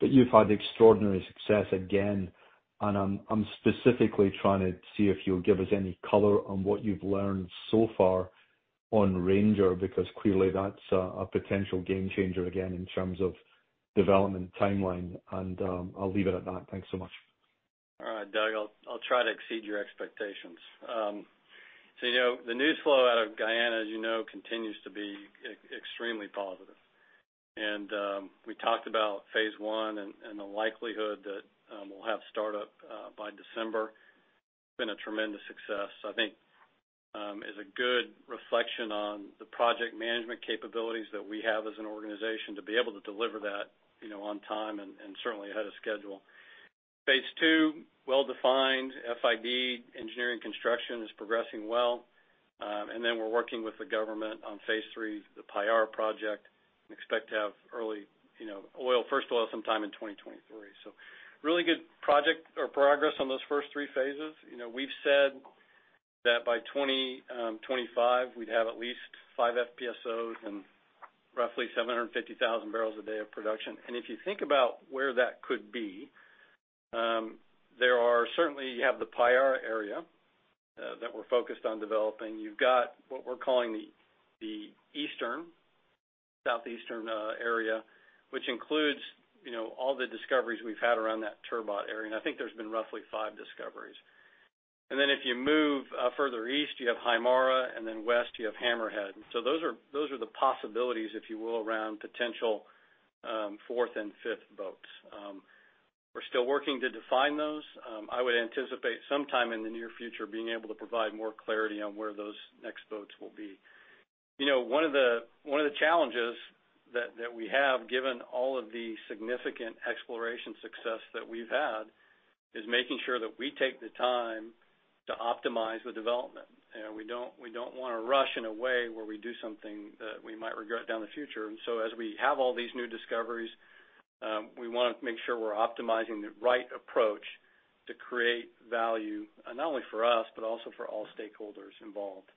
You've had extraordinary success again. I'm specifically trying to see if you'll give us any color on what you've learned so far on Ranger, clearly that's a potential game changer again in terms of development timeline. I'll leave it at that. Thanks so much. All right. Doug, I'll try to exceed your expectations. The news flow out of Guyana, you know, continues to be extremely positive. We talked about phase 1 and the likelihood that we'll have start-up by December. It's been a tremendous success. I think it is a good reflection on the project management capabilities that we have as an organization to be able to deliver that on time and certainly ahead of schedule. Phase 2, well-defined, FID engineering construction is progressing well. We're working with the government on phase 3, the Payara project, and expect to have first oil sometime in 2023. Really good progress on those first three phases. We've said that by 2025, we'd have at least five FPSOs and roughly 750,000 barrels a day of production. If you think about where that could be, certainly you have the Payara area that we're focused on developing. You've got what we're calling the eastern, southeastern area, which includes all the discoveries we've had around that Turbot area, and I think there's been roughly five discoveries. If you move further east, you have Haimara, and then west you have Hammerhead. Those are the possibilities, if you will, around potential fourth and fifth boats. We're still working to define those. I would anticipate sometime in the near future being able to provide more clarity on where those next boats will be. One of the challenges that we have, given all of the significant exploration success that we've had, is making sure that we take the time to optimize the development. We don't want to rush in a way where we do something that we might regret down the future. As we have all these new discoveries, we want to make sure we're optimizing the right approach to create value not only for us, but also for all stakeholders involved.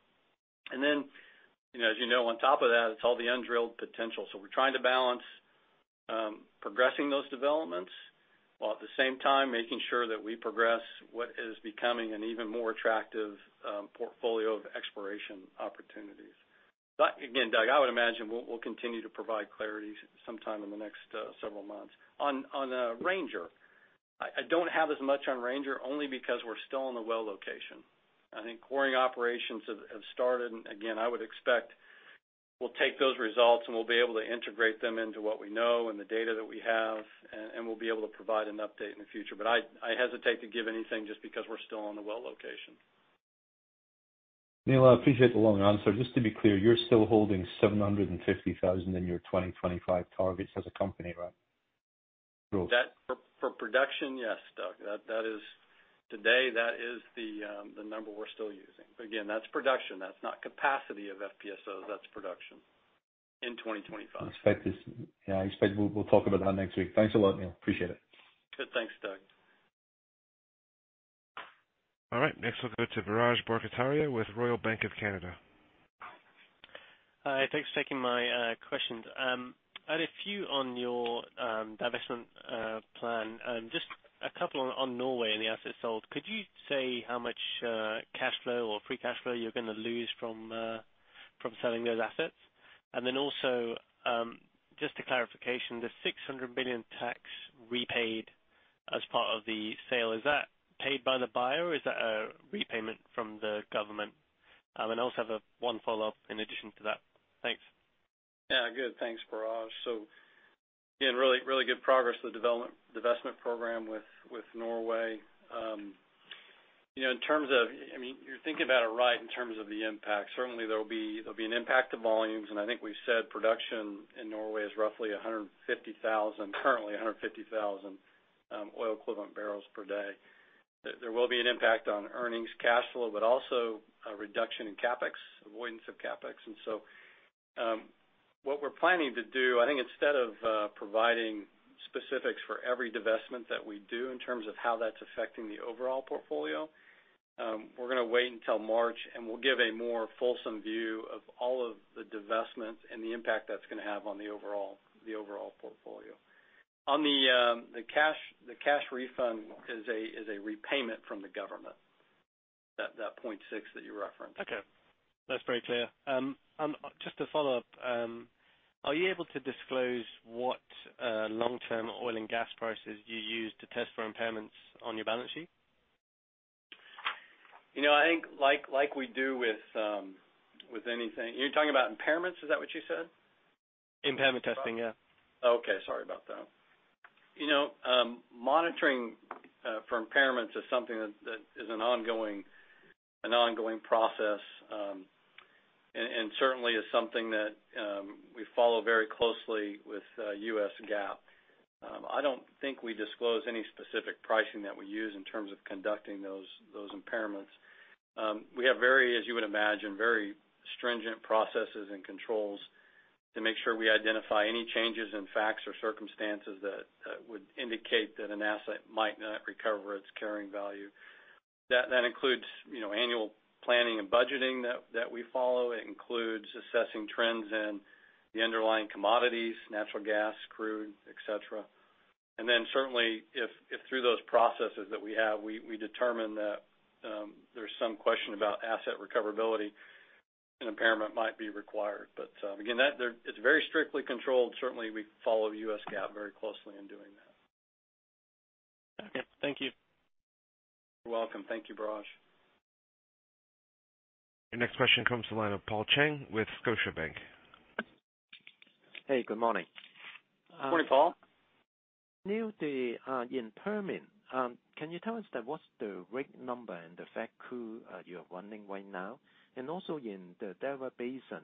As you know, on top of that, it's all the undrilled potential. We're trying to balance progressing those developments, while at the same time making sure that we progress what is becoming an even more attractive portfolio of exploration opportunities. Again, Doug, I would imagine we'll continue to provide clarity sometime in the next several months. On Ranger, I don't have as much on Ranger only because we're still on the well location. I think coring operations have started, and again, I would expect we'll take those results, and we'll be able to integrate them into what we know and the data that we have, and we'll be able to provide an update in the future. I hesitate to give anything just because we're still on the well location. Neil, I appreciate the long answer. Just to be clear, you're still holding 750,000 in your 2025 targets as a company, right? That for production, yes, Doug. Today, that is the number we're still using. Again, that's production. That's not capacity of FPSOs. That's production in 2025. I expect we'll talk about that next week. Thanks a lot, Neil. Appreciate it. Good. Thanks, Doug. All right, next we'll go to Biraj Borkhataria with Royal Bank of Canada. Hi, thanks for taking my questions. I had a few on your divestment plan. Just a couple on Norway and the assets sold. Could you say how much cash flow or free cash flow you're going to lose from selling those assets? Then also, just a clarification, the $600 million tax repaid as part of the sale, is that paid by the buyer, or is that a repayment from the government? I also have one follow-up in addition to that. Thanks. Good. Thanks, Biraj. Again, really good progress with the divestment program with Norway. You are thinking about it right in terms of the impact. Certainly there will be an impact to volumes, and I think we have said production in Norway is currently 150,000 oil equivalent barrels per day. There will be an impact on earnings cash flow, but also a reduction in CapEx, avoidance of CapEx. What we are planning to do, I think instead of providing specifics for every divestment that we do in terms of how that is affecting the overall portfolio, we are going to wait until March, and we will give a more fulsome view of all of the divestments and the impact that is going to have on the overall portfolio. On the cash refund is a repayment from the government. That $0.6 that you referenced. Okay. That's very clear. Just to follow up, are you able to disclose what long-term oil and gas prices you use to test for impairments on your balance sheet? I think like we do with anything. You're talking about impairments, is that what you said? Impairment testing, yeah. Okay. Sorry about that. Monitoring for impairments is something that is an ongoing process. Certainly is something that we follow very closely with US GAAP. I don't think we disclose any specific pricing that we use in terms of conducting those impairments. We have very, as you would imagine, very stringent processes and controls to make sure we identify any changes in facts or circumstances that would indicate that an asset might not recover its carrying value. That includes annual planning and budgeting that we follow. It includes assessing trends in the underlying commodities, natural gas, crude, et cetera. Then certainly, if through those processes that we have, we determine that there's some question about asset recoverability, an impairment might be required. But again, it's very strictly controlled. Certainly, we follow US GAAP very closely in doing that. Okay. Thank you. You're welcome. Thank you, Biraj. Your next question comes to the line of Paul Cheng with Scotiabank. Hey, good morning. Good morning, Paul. Neil, in Permian, can you tell us that what's the rig number and the frac crew you are running right now? Also in the Delaware Basin,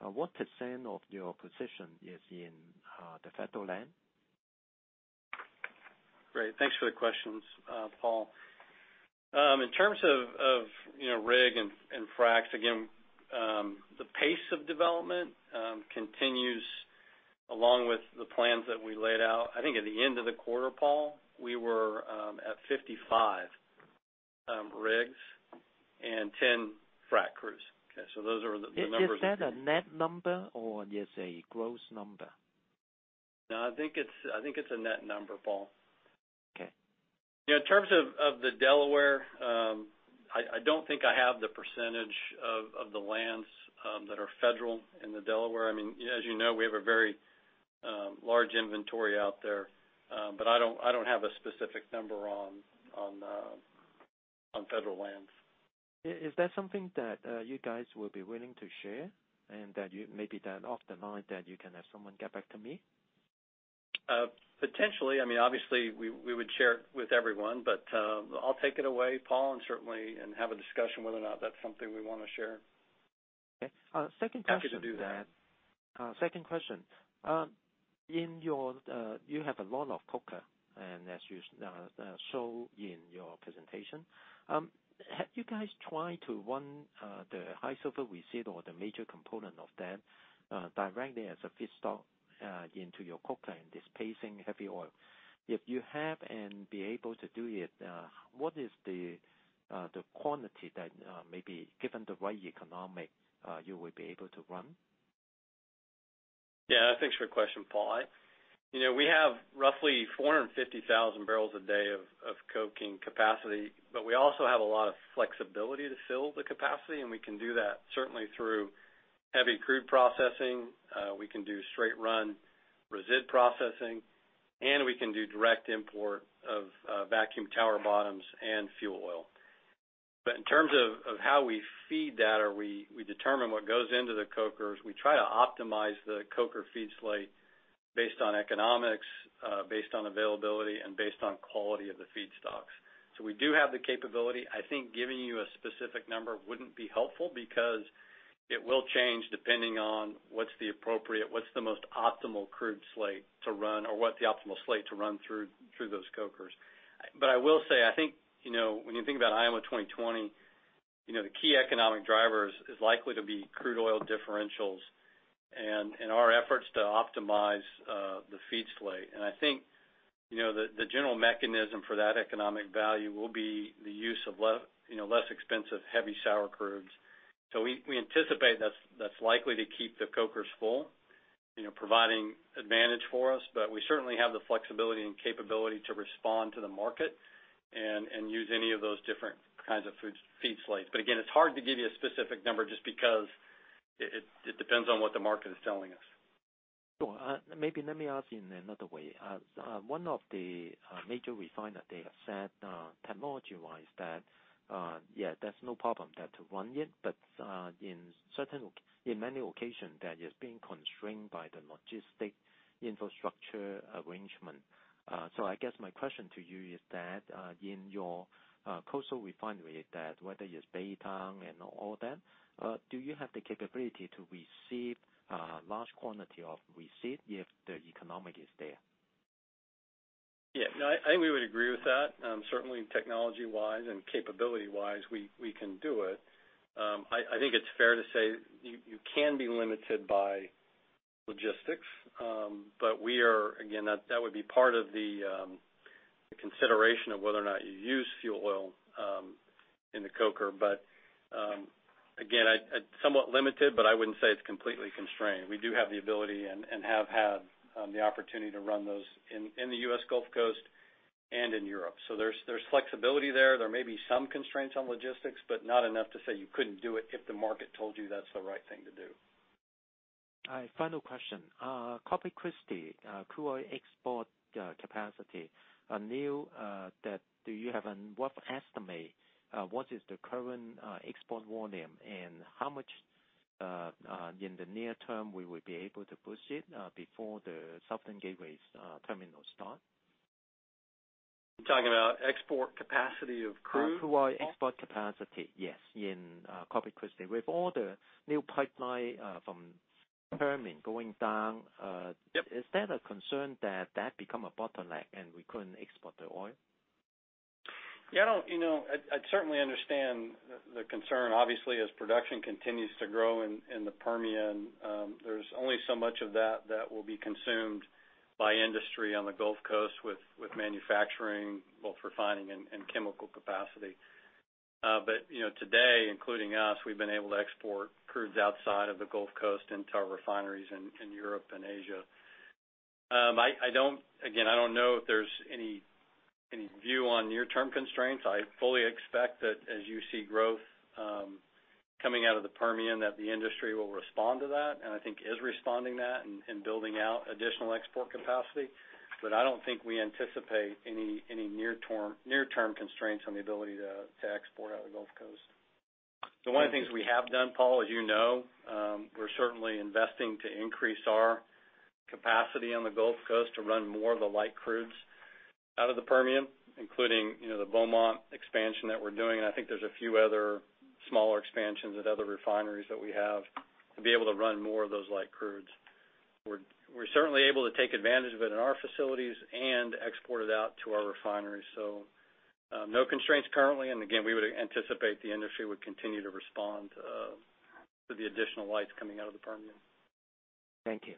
what % of your position is in the federal land? Great. Thanks for the questions, Paul. In terms of rig and fracs, again, the pace of development continues along with the plans that we laid out. I think at the end of the quarter, Paul, we were at 55 rigs and 10 frac crews. Okay? Those are the numbers. Is that a net number or just a gross number? No, I think it's a net number, Paul. Okay. In terms of the Delaware, I don't think I have the percentage of the lands that are federal in the Delaware. As you know, we have a very large inventory out there. I don't have a specific number on federal lands. Is that something that you guys will be willing to share, and that maybe that off the mind that you can have someone get back to me? Potentially. Obviously, we would share it with everyone, but I'll take it away, Paul, and certainly have a discussion whether or not that's something we want to share. Okay. Second question. Happy to do that. Second question. You have a lot of coker. As you show in your presentation. Have you guys tried to run the high sulfur resid or the major component of that directly as a feedstock into your coker and displacing heavy oil? If you have and be able to do it, what is the quantity that maybe given the right economics you would be able to run? Yeah. Thanks for the question, Paul. We have roughly 450,000 barrels a day of coking capacity, but we also have a lot of flexibility to fill the capacity, and we can do that certainly through heavy crude processing. We can do straight run resid processing, and we can do direct import of vacuum tower bottoms and fuel oil. In terms of how we feed that or we determine what goes into the cokers, we try to optimize the coker feed slate based on economics, based on availability and based on quality of the feedstocks. We do have the capability. I think giving you a specific number wouldn't be helpful because it will change depending on what's the most optimal crude slate to run or what the optimal slate to run through those cokers. I will say, I think, when you think about IMO 2020, the key economic driver is likely to be crude oil differentials and our efforts to optimize the feed slate. I think, the general mechanism for that economic value will be the use of less expensive heavy sour crudes. We anticipate that's likely to keep the cokers full, providing advantage for us. We certainly have the flexibility and capability to respond to the market and use any of those different kinds of feed slates. Again, it's hard to give you a specific number just because it depends on what the market is telling us. Sure. Maybe let me ask in another way. One of the major refiner, they have said, technology-wise, that, yeah, there's no problem there to run it, but in many occasion, that is being constrained by the logistics infrastructure arrangement. I guess my question to you is that, in your coastal refinery, that whether it's Baton Rouge and all that, do you have the capability to receive large quantity of receipt if the economics is there? Yeah. No, I think we would agree with that. Certainly technology-wise and capability-wise, we can do it. I think it's fair to say you can be limited by logistics. That would be part of the consideration of whether or not you use fuel oil in the coker. Again, it's somewhat limited, but I wouldn't say it's completely constrained. We do have the ability and have had the opportunity to run those in the U.S. Gulf Coast and in Europe. There's flexibility there. There may be some constraints on logistics, but not enough to say you couldn't do it if the market told you that's the right thing to do. Final question. Corpus Christi crude oil export capacity. Neil, do you have a rough estimate, what is the current export volume, and how much, in the near term, we would be able to push it before the South Texas Gateway terminal start? You're talking about export capacity of crude, Paul? Crude oil export capacity, yes. In Corpus Christi. With all the new pipeline from Permian going down- Yep Is that a concern that that become a bottleneck and we couldn't export the oil? Yeah. I'd certainly understand the concern. Obviously, as production continues to grow in the Permian, there's only so much of that that will be consumed by industry on the Gulf Coast with manufacturing, both refining and chemical capacity. Today, including us, we've been able to export crudes outside of the Gulf Coast into our refineries in Europe and Asia. Again, I don't know if there's any view on near-term constraints. I fully expect that as you see growth coming out of the Permian, that the industry will respond to that, and I think is responding to that and building out additional export capacity. I don't think we anticipate any near-term constraints on the ability to export out of the Gulf Coast. One of the things we have done, Paul, as you know, we're certainly investing to increase our capacity on the Gulf Coast to run more of the light crudes out of the Permian, including the Beaumont expansion that we're doing, and I think there's a few other smaller expansions at other refineries that we have to be able to run more of those light crudes. We're certainly able to take advantage of it in our facilities and export it out to our refineries. No constraints currently, and again, we would anticipate the industry would continue to respond to the additional lights coming out of the Permian. Thank you.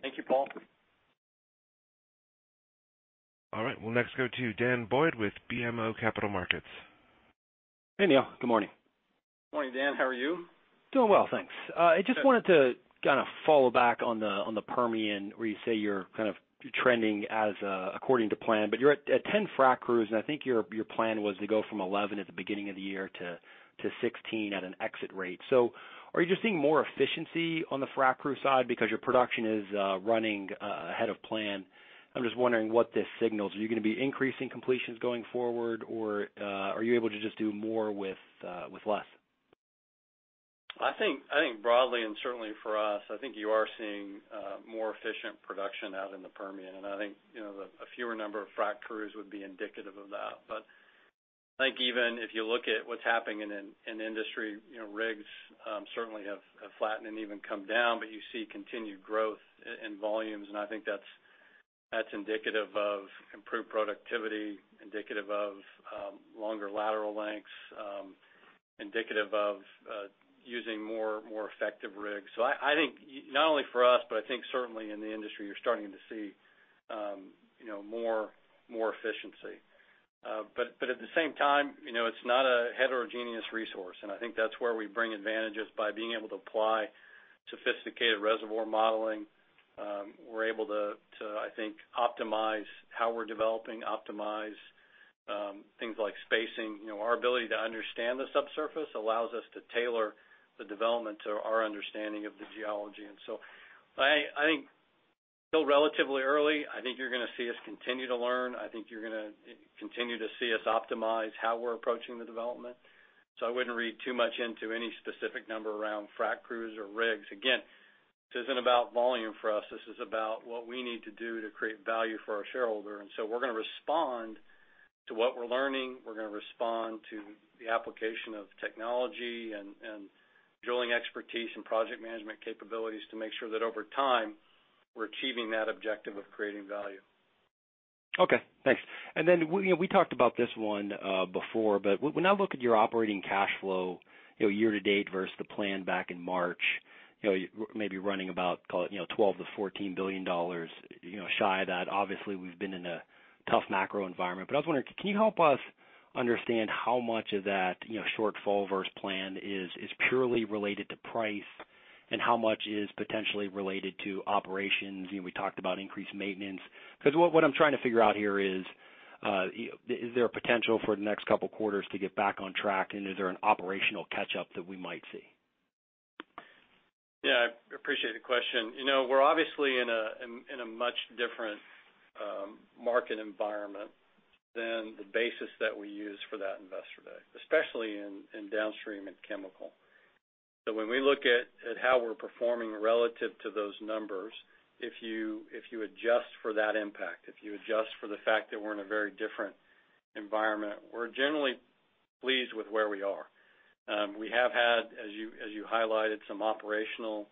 Thank you, Paul. All right. We'll next go to Daniel Boyd with BMO Capital Markets. Hey, Neil. Good morning. Morning, Dan. How are you? Doing well, thanks. I just wanted to kind of follow back on the Permian, where you say you're kind of trending as according to plan. You're at 10 frac crews, and I think your plan was to go from 11 at the beginning of the year to 16 at an exit rate. Are you just seeing more efficiency on the frac crew side because your production is running ahead of plan? I'm just wondering what this signals. Are you going to be increasing completions going forward, or are you able to just do more with less? I think broadly and certainly for us, I think you are seeing more efficient production out in the Permian, and I think a fewer number of frac crews would be indicative of that. I think even if you look at what's happening in the industry, rigs certainly have flattened and even come down, but you see continued growth in volumes, and I think that's indicative of improved productivity, indicative of longer lateral lengths, indicative of using more effective rigs. I think not only for us, but I think certainly in the industry, you're starting to see more efficiency. At the same time, it's not a heterogeneous resource, and I think that's where we bring advantages by being able to apply sophisticated reservoir modeling. We're able to, I think, optimize how we're developing, optimize things like spacing. Our ability to understand the subsurface allows us to tailor the development to our understanding of the geology. I think still relatively early, I think you're going to see us continue to learn. I think you're going to continue to see us optimize how we're approaching the development. I wouldn't read too much into any specific number around frack crews or rigs. Again, this isn't about volume for us. This is about what we need to do to create value for our shareholder. We're going to respond to what we're learning. We're going to respond to the application of technology and drilling expertise and project management capabilities to make sure that over time, we're achieving that objective of creating value. Okay, thanks. We talked about this one before, but when I look at your operating cash flow year to date versus the plan back in March, maybe running about, call it, $12 billion-$14 billion shy of that. Obviously, we've been in a tough macro environment, but I was wondering, can you help us understand how much of that shortfall versus plan is purely related to price and how much is potentially related to operations? We talked about increased maintenance. What I'm trying to figure out here is there a potential for the next couple quarters to get back on track, and is there an operational catch-up that we might see? Yeah, I appreciate the question. We're obviously in a much different market environment than the basis that we used for that Investor Day, especially in downstream and chemical. When we look at how we're performing relative to those numbers, if you adjust for that impact, if you adjust for the fact that we're in a very different environment, we're generally pleased with where we are. We have had, as you highlighted, some operational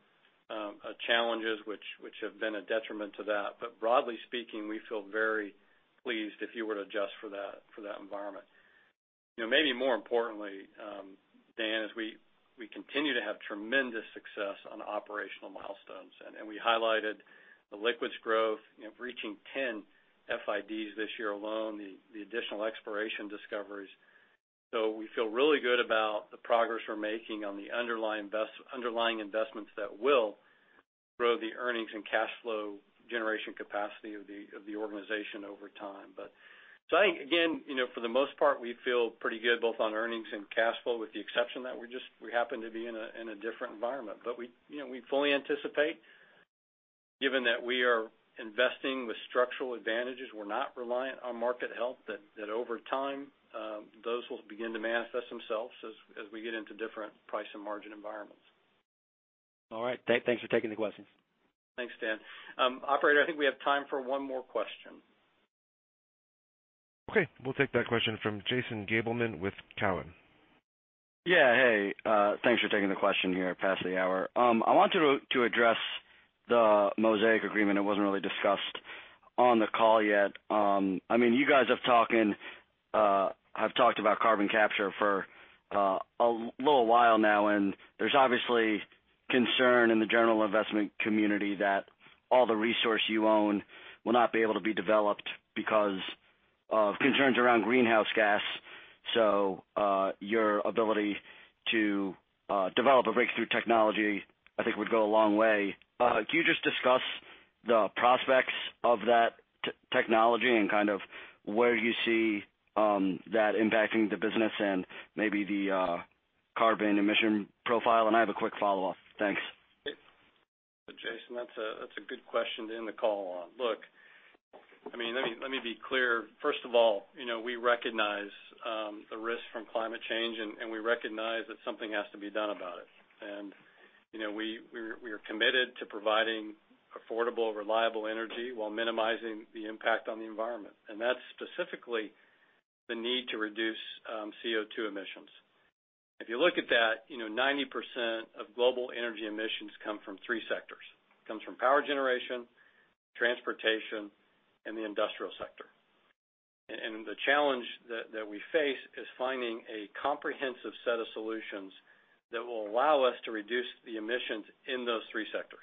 challenges which have been a detriment to that. Broadly speaking, we feel very pleased if you were to adjust for that environment. Maybe more importantly, Dan, as we continue to have tremendous success on operational milestones, and we highlighted the liquids growth, reaching 10 FIDs this year alone, the additional exploration discoveries. We feel really good about the progress we're making on the underlying investments that will grow the earnings and cash flow generation capacity of the organization over time. I think, again, for the most part, we feel pretty good both on earnings and cash flow, with the exception that we happen to be in a different environment. We fully anticipate, given that we are investing with structural advantages, we're not reliant on market health, that over time, those will begin to manifest themselves as we get into different price and margin environments. All right. Thanks for taking the questions. Thanks, Dan. Operator, I think we have time for one more question. Okay. We'll take that question from Jason Gabelman with Cowen. Yeah, hey. Thanks for taking the question here past the hour. I wanted to address the Mosaic agreement. It wasn't really discussed on the call yet. You guys have talked about carbon capture for a little while now, and there's obviously concern in the general investment community that all the resource you own will not be able to be developed because of concerns around greenhouse gas. Your ability to develop a breakthrough technology, I think, would go a long way. Could you just discuss the prospects of that technology and kind of where you see that impacting the business and maybe the carbon emission profile? I have a quick follow-up. Thanks. Jason, that's a good question to end the call on. Look, let me be clear. First of all, we recognize the risk from climate change, and we recognize that something has to be done about it. We are committed to providing affordable, reliable energy while minimizing the impact on the environment, and that's specifically the need to reduce CO2 emissions. If you look at that, 90% of global energy emissions come from three sectors. It comes from power generation, transportation, and the industrial sector. The challenge that we face is finding a comprehensive set of solutions that will allow us to reduce the emissions in those three sectors.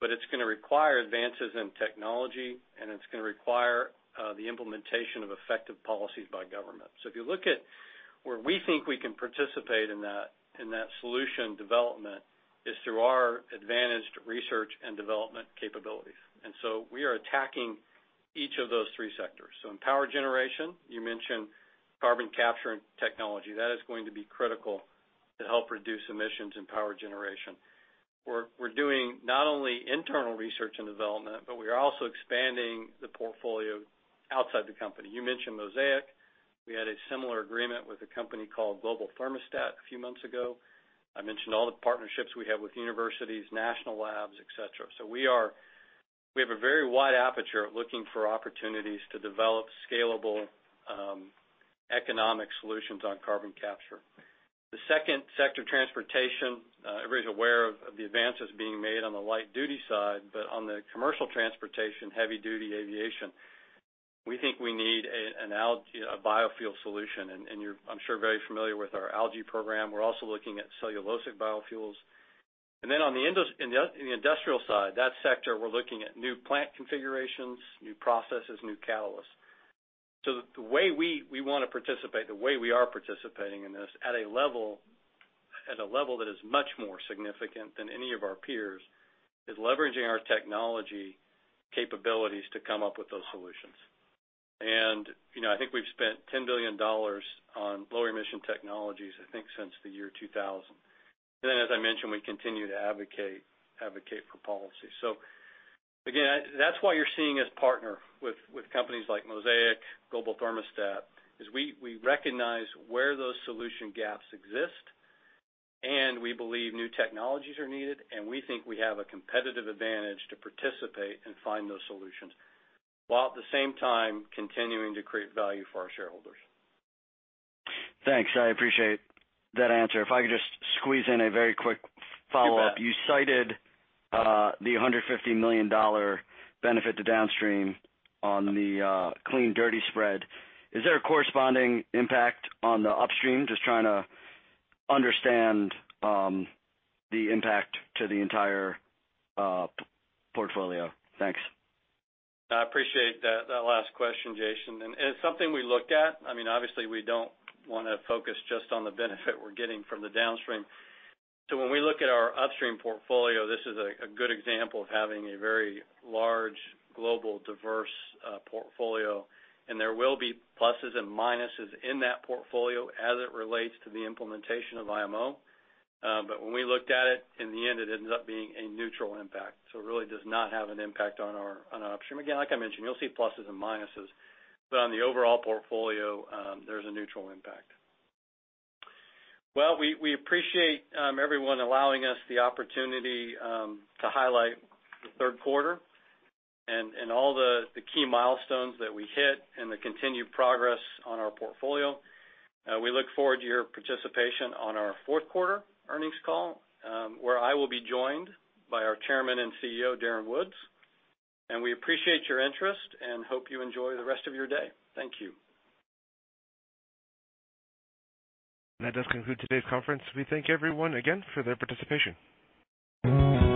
It's going to require advances in technology, and it's going to require the implementation of effective policies by government. If you look at where we think we can participate in that solution development is through our advantaged research and development capabilities. We are attacking each of those three sectors. In power generation, you mentioned carbon capture and technology. That is going to be critical to help reduce emissions in power generation. We're doing not only internal research and development, but we are also expanding the portfolio outside the company. You mentioned Mosaic. We had a similar agreement with a company called Global Thermostat a few months ago. I mentioned all the partnerships we have with universities, national labs, et cetera. We have a very wide aperture looking for opportunities to develop scalable economic solutions on carbon capture. The second sector, transportation. Everybody's aware of the advances being made on the light-duty side, but on the commercial transportation, heavy-duty aviation, we think we need a biofuel solution, and you're, I'm sure, very familiar with our Algae Program. We're also looking at cellulosic biofuels. On the industrial side, that sector, we're looking at new plant configurations, new processes, new catalysts. The way we want to participate, the way we are participating in this at a level that is much more significant than any of our peers, is leveraging our technology capabilities to come up with those solutions. I think we've spent $10 billion on lower emission technologies, I think, since the year 2000. As I mentioned, we continue to advocate for policy. Again, that's why you're seeing us partner with companies like Mosaic, Global Thermostat, is we recognize where those solution gaps exist, and we believe new technologies are needed, and we think we have a competitive advantage to participate and find those solutions, while at the same time continuing to create value for our shareholders. Thanks. I appreciate that answer. If I could just squeeze in a very quick follow-up. Yeah. You cited the $150 million benefit to downstream on the clean-dirty spread. Is there a corresponding impact on the upstream? Just trying to understand the impact to the entire portfolio. Thanks. I appreciate that last question, Jason, and it's something we looked at. Obviously we don't want to focus just on the benefit we're getting from the downstream. When we look at our upstream portfolio, this is a good example of having a very large global diverse portfolio, and there will be pluses and minuses in that portfolio as it relates to the implementation of IMO. When we looked at it, in the end, it ends up being a neutral impact. It really does not have an impact on our upstream. Again, like I mentioned, you'll see pluses and minuses, but on the overall portfolio, there's a neutral impact. We appreciate everyone allowing us the opportunity to highlight the third quarter and all the key milestones that we hit and the continued progress on our portfolio. We look forward to your participation on our fourth quarter earnings call, where I will be joined by our chairman and CEO, Darren Woods. We appreciate your interest and hope you enjoy the rest of your day. Thank you. That does conclude today's conference. We thank everyone again for their participation.